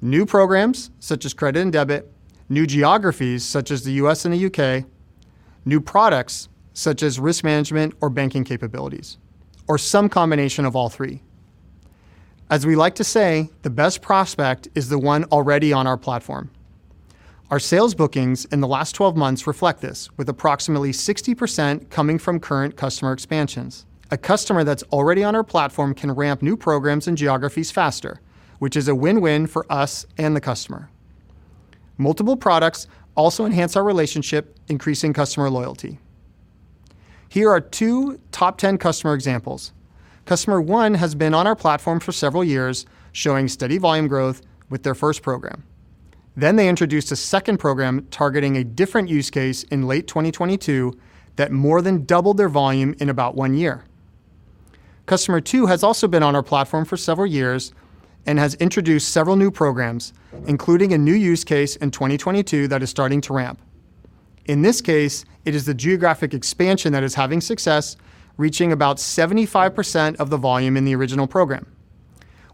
new programs, such as credit and debit, new geographies, such as the U.S. and the U.K., new products, such as risk management or banking capabilities, or some combination of all three. As we like to say, the best prospect is the one already on our platform. Our sales bookings in the last 12 months reflect this, with approximately 60% coming from current customer expansions. A customer that's already on our platform can ramp new programs and geographies faster, which is a win-win for us and the customer. Multiple products also enhance our relationship, increasing customer loyalty. Here are two top 10 customer examples. Customer one has been on our platform for several years, showing steady volume growth with their first program. Then they introduced a second program targeting a different use case in late 2022 that more than doubled their volume in about one year. Customer two has also been on our platform for several years and has introduced several new programs, including a new use case in 2022 that is starting to ramp. In this case, it is the geographic expansion that is having success, reaching about 75% of the volume in the original program.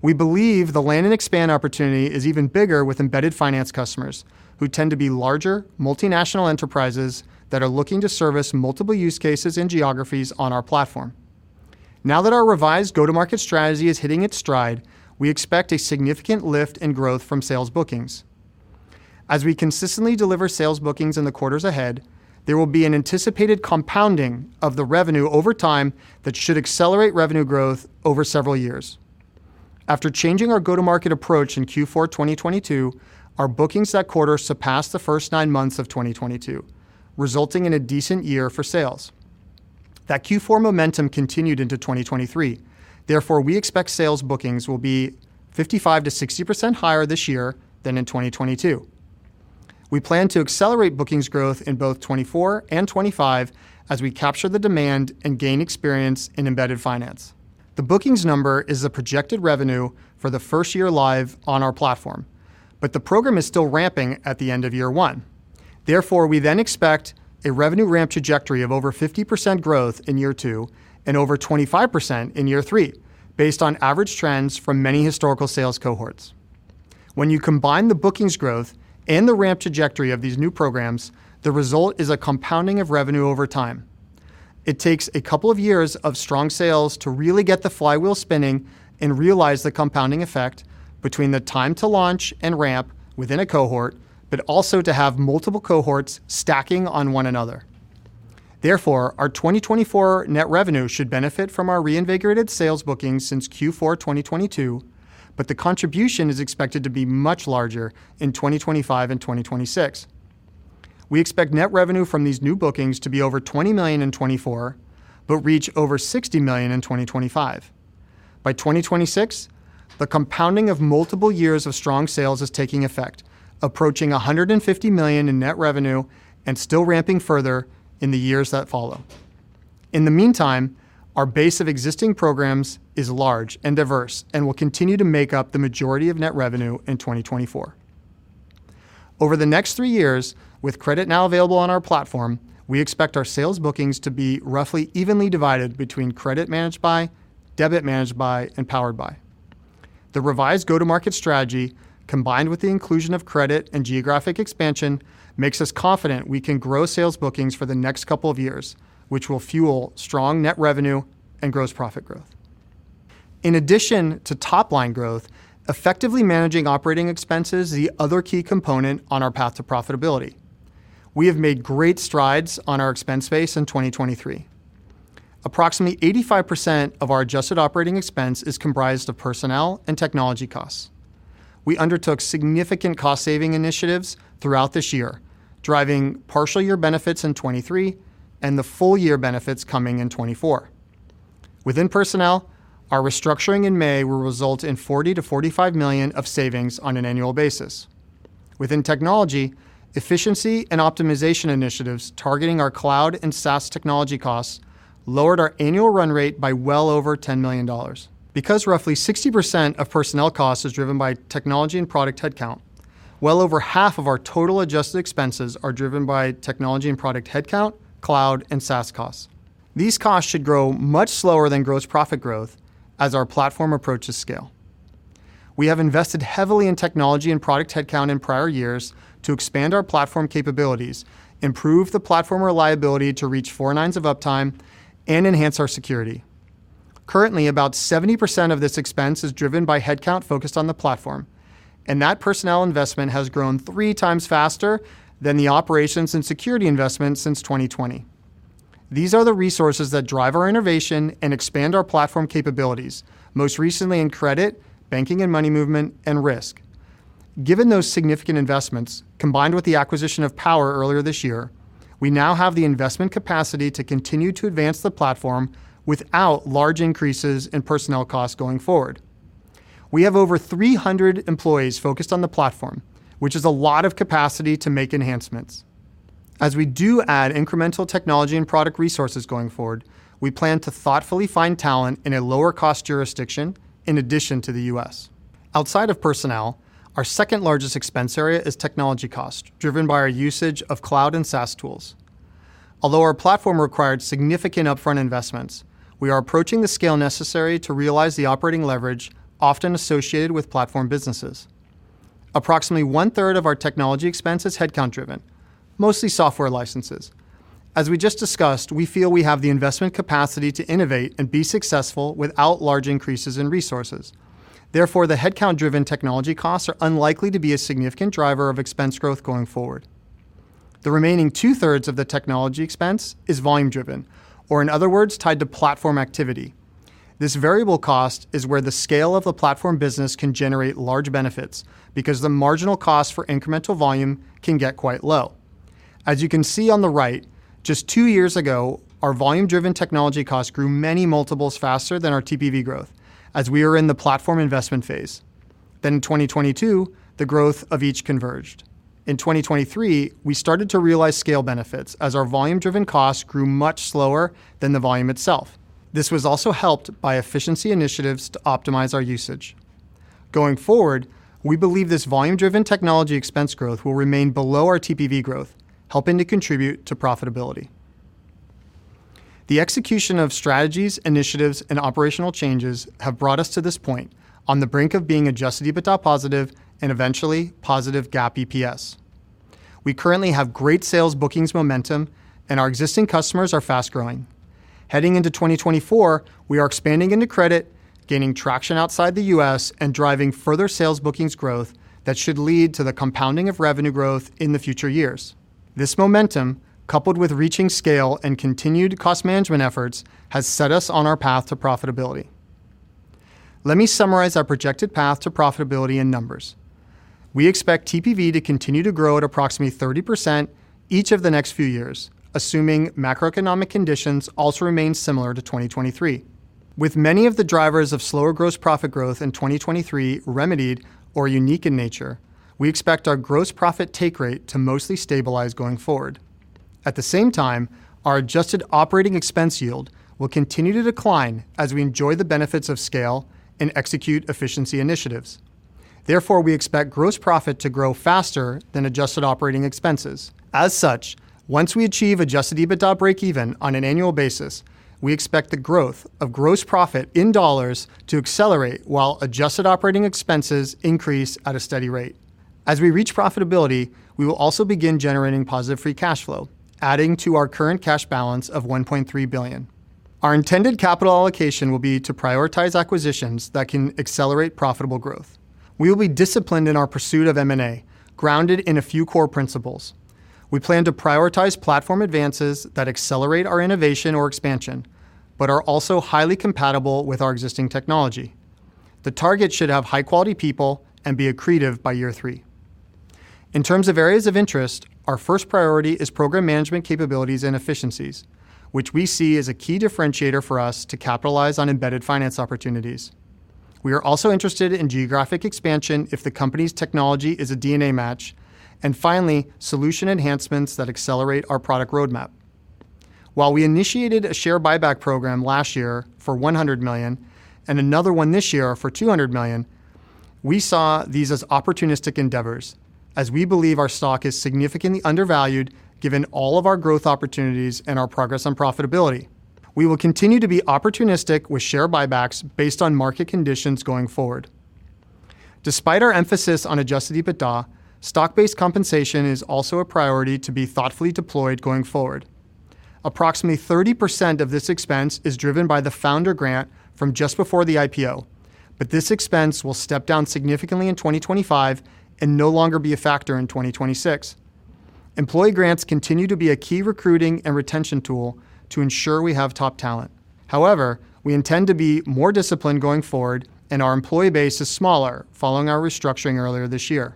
We believe the land and expand opportunity is even bigger with embedded finance customers, who tend to be larger, multinational enterprises that are looking to service multiple use cases and geographies on our platform. Now that our revised go-to-market strategy is hitting its stride, we expect a significant lift in growth from sales bookings. As we consistently deliver sales bookings in the quarters ahead, there will be an anticipated compounding of the revenue over time that should accelerate revenue growth over several years. After changing our go-to-market approach in Q4 2022, our bookings that quarter surpassed the first nine months of 2022, resulting in a decent year for sales. That Q4 momentum continued into 2023. Therefore, we expect sales bookings will be 55%-60% higher this year than in 2022. We plan to accelerate bookings growth in both 2024 and 2025 as we capture the demand and gain experience in embedded finance. The bookings number is the projected revenue for the first year live on our platform, but the program is still ramping at the end of year one. Therefore, we then expect a revenue ramp trajectory of over 50% growth in year two and over 25% in year three, based on average trends from many historical sales cohorts. When you combine the bookings growth and the ramp trajectory of these new programs, the result is a compounding of revenue over time. It takes a couple of years of strong sales to really get the flywheel spinning and realize the compounding effect between the time to launch and ramp within a cohort, but also to have multiple cohorts stacking on one another. Therefore, our 2024 net revenue should benefit from our reinvigorated sales bookings since Q4 2022, but the contribution is expected to be much larger in 2025 and 2026. We expect net revenue from these new bookings to be over $20,000,000 in 2024, but reach over $60,000,000 in 2025. By 2026, the compounding of multiple years of strong sales is taking effect, approaching $150,000,000 in net revenue and still ramping further in the years that follow. In the meantime, our base of existing programs is large and diverse and will continue to make up the majority of net revenue in 2024. Over the next three years, with credit now available on our platform, we expect our sales bookings to be roughly evenly divided between credit managed by, debit managed by, and powered by. The revised go-to-market strategy, combined with the inclusion of credit and geographic expansion, makes us confident we can grow sales bookings for the next couple of years, which will fuel strong net revenue and gross profit growth. In addition to top-line growth, effectively managing operating expense is the other key component on our path to profitability. We have made great strides on our expense base in 2023. Approximately 85% of our adjusted operating expense is comprised of personnel and technology costs. We undertook significant cost-saving initiatives throughout this year, driving partial year benefits in 2023 and the full year benefits coming in 2024. Within personnel, our restructuring in May will result in $40,000,000-$45,000,000 of savings on an annual basis. Within technology, efficiency and optimization initiatives targeting our cloud and SaaS technology costs lowered our annual run rate by well over $10,000,000. Because roughly 60% of personnel costs is driven by technology and product headcount, well over half of our total adjusted expenses are driven by technology and product headcount, cloud, and SaaS costs. These costs should grow much slower than gross profit growth as our platform approaches scale. We have invested heavily in technology and product headcount in prior years to expand our platform capabilities, improve the platform reliability to reach four nines of uptime, and enhance our security. Currently, about 70% of this expense is driven by headcount focused on the platform, and that personnel investment has grown three times faster than the operations and security investment since 2020. These are the resources that drive our innovation and expand our platform capabilities, most recently in credit, banking and money movement, and risk. Given those significant investments, combined with the acquisition of Power earlier this year, we now have the investment capacity to continue to advance the platform without large increases in personnel costs going forward. We have over 300 employees focused on the platform, which is a lot of capacity to make enhancements. As we do add incremental technology and product resources going forward, we plan to thoughtfully find talent in a lower-cost jurisdiction in addition to the U.S. Outside of personnel, our second largest expense area is technology cost, driven by our usage of cloud and SaaS tools. Although our platform required significant upfront investments, we are approaching the scale necessary to realize the operating leverage often associated with platform businesses. Approximately one-third of our technology expense is headcount-driven, mostly software licenses. As we just discussed, we feel we have the investment capacity to innovate and be successful without large increases in resources. Therefore, the headcount-driven technology costs are unlikely to be a significant driver of expense growth going forward. The remaining two-thirds of the technology expense is volume-driven, or in other words, tied to platform activity.... This variable cost is where the scale of the platform business can generate large benefits, because the marginal cost for incremental volume can get quite low. As you can see on the right, just two years ago, our volume-driven technology costs grew many multiples faster than our TPV growth, as we were in the platform investment phase. Then in 2022, the growth of each converged. In 2023, we started to realize scale benefits as our volume-driven costs grew much slower than the volume itself. This was also helped by efficiency initiatives to optimize our usage. Going forward, we believe this volume-driven technology expense growth will remain below our TPV growth, helping to contribute to profitability. The execution of strategies, initiatives, and operational changes have brought us to this point, on the brink of being adjusted EBITDA positive and eventually positive GAAP EPS. We currently have great sales bookings momentum, and our existing customers are fast-growing. Heading into 2024, we are expanding into credit, gaining traction outside the U.S., and driving further sales bookings growth that should lead to the compounding of revenue growth in the future years. This momentum, coupled with reaching scale and continued cost management efforts, has set us on our path to profitability. Let me summarize our projected path to profitability in numbers. We expect TPV to continue to grow at approximately 30% each of the next few years, assuming macroeconomic conditions also remain similar to 2023. With many of the drivers of slower gross profit growth in 2023 remedied or unique in nature, we expect our gross profit take rate to mostly stabilize going forward. At the same time, our adjusted operating expense yield will continue to decline as we enjoy the benefits of scale and execute efficiency initiatives. Therefore, we expect gross profit to grow faster than adjusted operating expenses. As such, once we achieve adjusted EBITDA breakeven on an annual basis, we expect the growth of gross profit in dollars to accelerate while adjusted operating expenses increase at a steady rate. As we reach profitability, we will also begin generating positive free cash flow, adding to our current cash balance of $1,300,000,000. Our intended capital allocation will be to prioritize acquisitions that can accelerate profitable growth. We will be disciplined in our pursuit of M&A, grounded in a few core principles. We plan to prioritize platform advances that accelerate our innovation or expansion, but are also highly compatible with our existing technology. The target should have high-quality people and be accretive by year three. In terms of areas of interest, our first priority is program management capabilities and efficiencies, which we see as a key differentiator for us to capitalize on embedded finance opportunities. We are also interested in geographic expansion if the company's technology is a DNA match, and finally, solution enhancements that accelerate our product roadmap. While we initiated a share buyback program last year for $100,000,000 and another one this year for $200,000,000, we saw these as opportunistic endeavors, as we believe our stock is significantly undervalued, given all of our growth opportunities and our progress on profitability. We will continue to be opportunistic with share buybacks based on market conditions going forward. Despite our emphasis on adjusted EBITDA, stock-based compensation is also a priority to be thoughtfully deployed going forward. Approximately 30% of this expense is driven by the founder grant from just before the IPO, but this expense will step down significantly in 2025 and no longer be a factor in 2026. Employee grants continue to be a key recruiting and retention tool to ensure we have top talent. However, we intend to be more disciplined going forward, and our employee base is smaller following our restructuring earlier this year.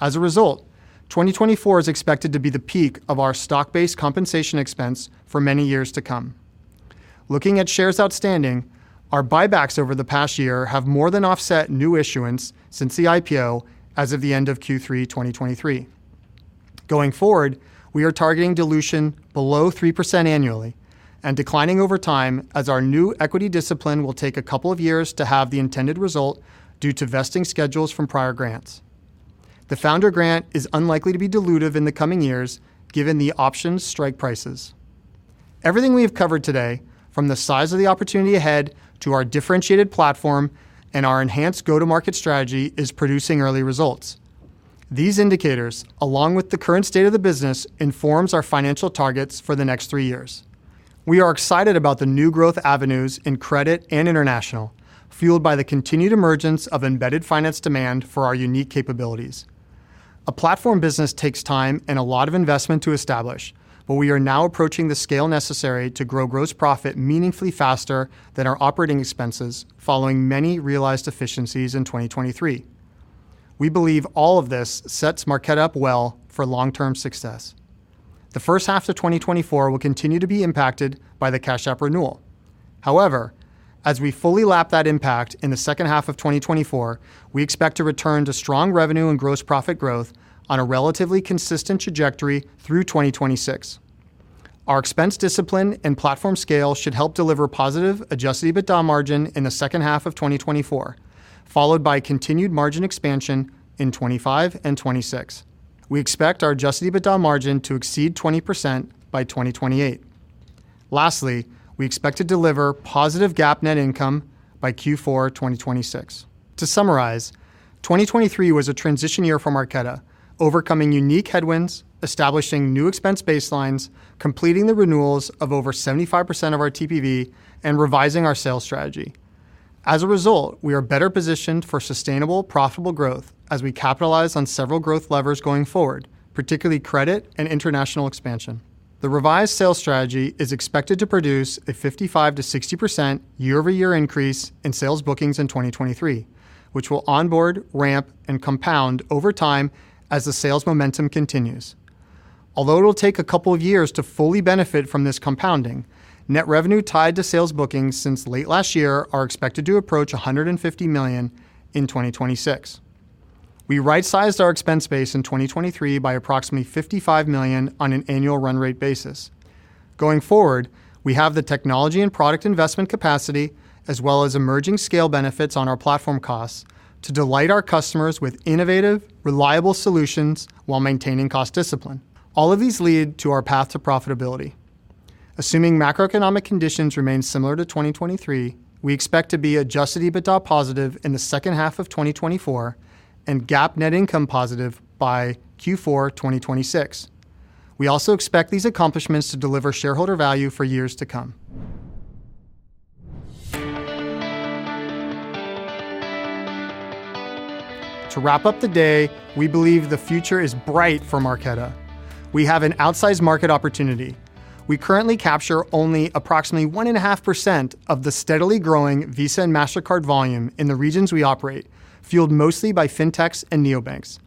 As a result, 2024 is expected to be the peak of our stock-based compensation expense for many years to come. Looking at shares outstanding, our buybacks over the past year have more than offset new issuance since the IPO as of the end of Q3 2023. Going forward, we are targeting dilution below 3% annually and declining over time as our new equity discipline will take a couple of years to have the intended result due to vesting schedules from prior grants. The founder grant is unlikely to be dilutive in the coming years, given the options' strike prices. Everything we have covered today, from the size of the opportunity ahead to our differentiated platform and our enhanced go-to-market strategy, is producing early results. These indicators, along with the current state of the business, informs our financial targets for the next 3 years. We are excited about the new growth avenues in credit and international, fueled by the continued emergence of embedded finance demand for our unique capabilities. A platform business takes time and a lot of investment to establish, but we are now approaching the scale necessary to grow gross profit meaningfully faster than our operating expenses, following many realized efficiencies in 2023. We believe all of this sets Marqeta up well for long-term success. The first half of 2024 will continue to be impacted by the Cash App renewal. However, as we fully lap that impact in the second half of 2024, we expect to return to strong revenue and gross profit growth on a relatively consistent trajectory through 2026. Our expense discipline and platform scale should help deliver positive adjusted EBITDA margin in the second half of 2024, followed by continued margin expansion in 2025 and 2026. We expect our adjusted EBITDA margin to exceed 20% by 2028. Lastly, we expect to deliver positive GAAP net income by Q4 2026. To summarize, 2023 was a transition year for Marqeta, overcoming unique headwinds, establishing new expense baselines, completing the renewals of over 75% of our TPV, and revising our sales strategy. As a result, we are better positioned for sustainable, profitable growth as we capitalize on several growth levers going forward, particularly credit and international expansion. The revised sales strategy is expected to produce a 55%-60% year-over-year increase in sales bookings in 2023, which will onboard, ramp, and compound over time as the sales momentum continues. Although it'll take a couple of years to fully benefit from this compounding, net revenue tied to sales bookings since late last year are expected to approach $150,000,000 in 2026. We right-sized our expense base in 2023 by approximately $55,000,000 on an annual run rate basis. Going forward, we have the technology and product investment capacity, as well as emerging scale benefits on our platform costs, to delight our customers with innovative, reliable solutions while maintaining cost discipline. All of these lead to our path to profitability. Assuming macroeconomic conditions remain similar to 2023, we expect to be adjusted EBITDA positive in the second half of 2024 and GAAP net income positive by Q4 2026. We also expect these accomplishments to deliver shareholder value for years to come. To wrap up the day, we believe the future is bright for Marqeta. We have an outsized market opportunity. We currently capture only approximately 1.5% of the steadily growing Visa and Mastercard volume in the regions we operate, fueled mostly by fintechs and neobanks.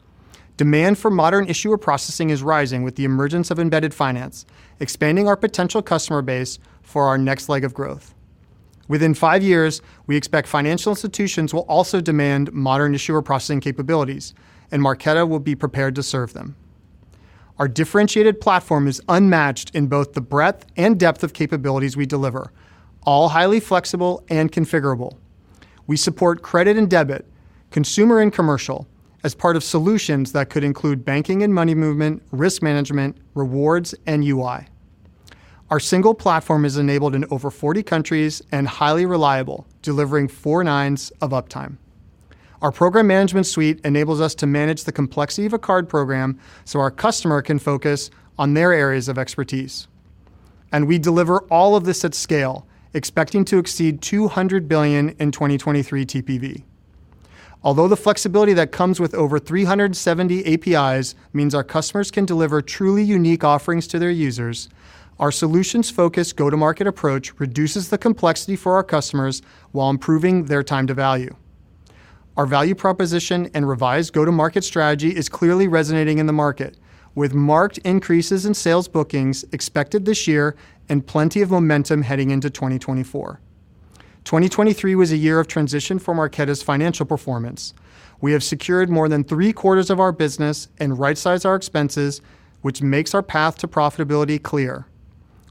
Demand for modern issuer processing is rising with the emergence of embedded finance, expanding our potential customer base for our next leg of growth. Within 5 years, we expect financial institutions will also demand modern issuer processing capabilities, and Marqeta will be prepared to serve them. Our differentiated platform is unmatched in both the breadth and depth of capabilities we deliver, all highly flexible and configurable. We support credit and debit, consumer and commercial, as part of solutions that could include banking and money movement, risk management, rewards, and UI. Our single platform is enabled in over 40 countries and highly reliable, delivering four nines of uptime. Our program management suite enables us to manage the complexity of a card program so our customer can focus on their areas of expertise. We deliver all of this at scale, expecting to exceed $200,000,000,000 in 2023 TPV. Although the flexibility that comes with over 370 APIs means our customers can deliver truly unique offerings to their users, our solutions-focused go-to-market approach reduces the complexity for our customers while improving their time to value. Our value proposition and revised go-to-market strategy is clearly resonating in the market, with marked increases in sales bookings expected this year and plenty of momentum heading into 2024. 2023 was a year of transition for Marqeta's financial performance. We have secured more than 3/4 of our business and rightsized our expenses, which makes our path to profitability clear.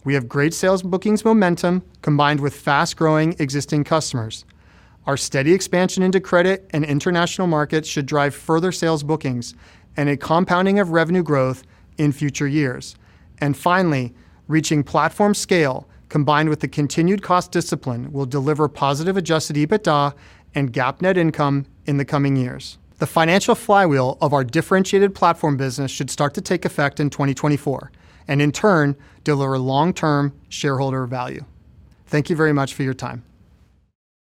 We have great sales bookings momentum combined with fast-growing existing customers. Our steady expansion into credit and international markets should drive further sales bookings and a compounding of revenue growth in future years. Finally, reaching platform scale, combined with the continued cost discipline, will deliver positive adjusted EBITDA and GAAP net income in the coming years. The financial flywheel of our differentiated platform business should start to take effect in 2024 and, in turn, deliver long-term shareholder value. Thank you very much for your time.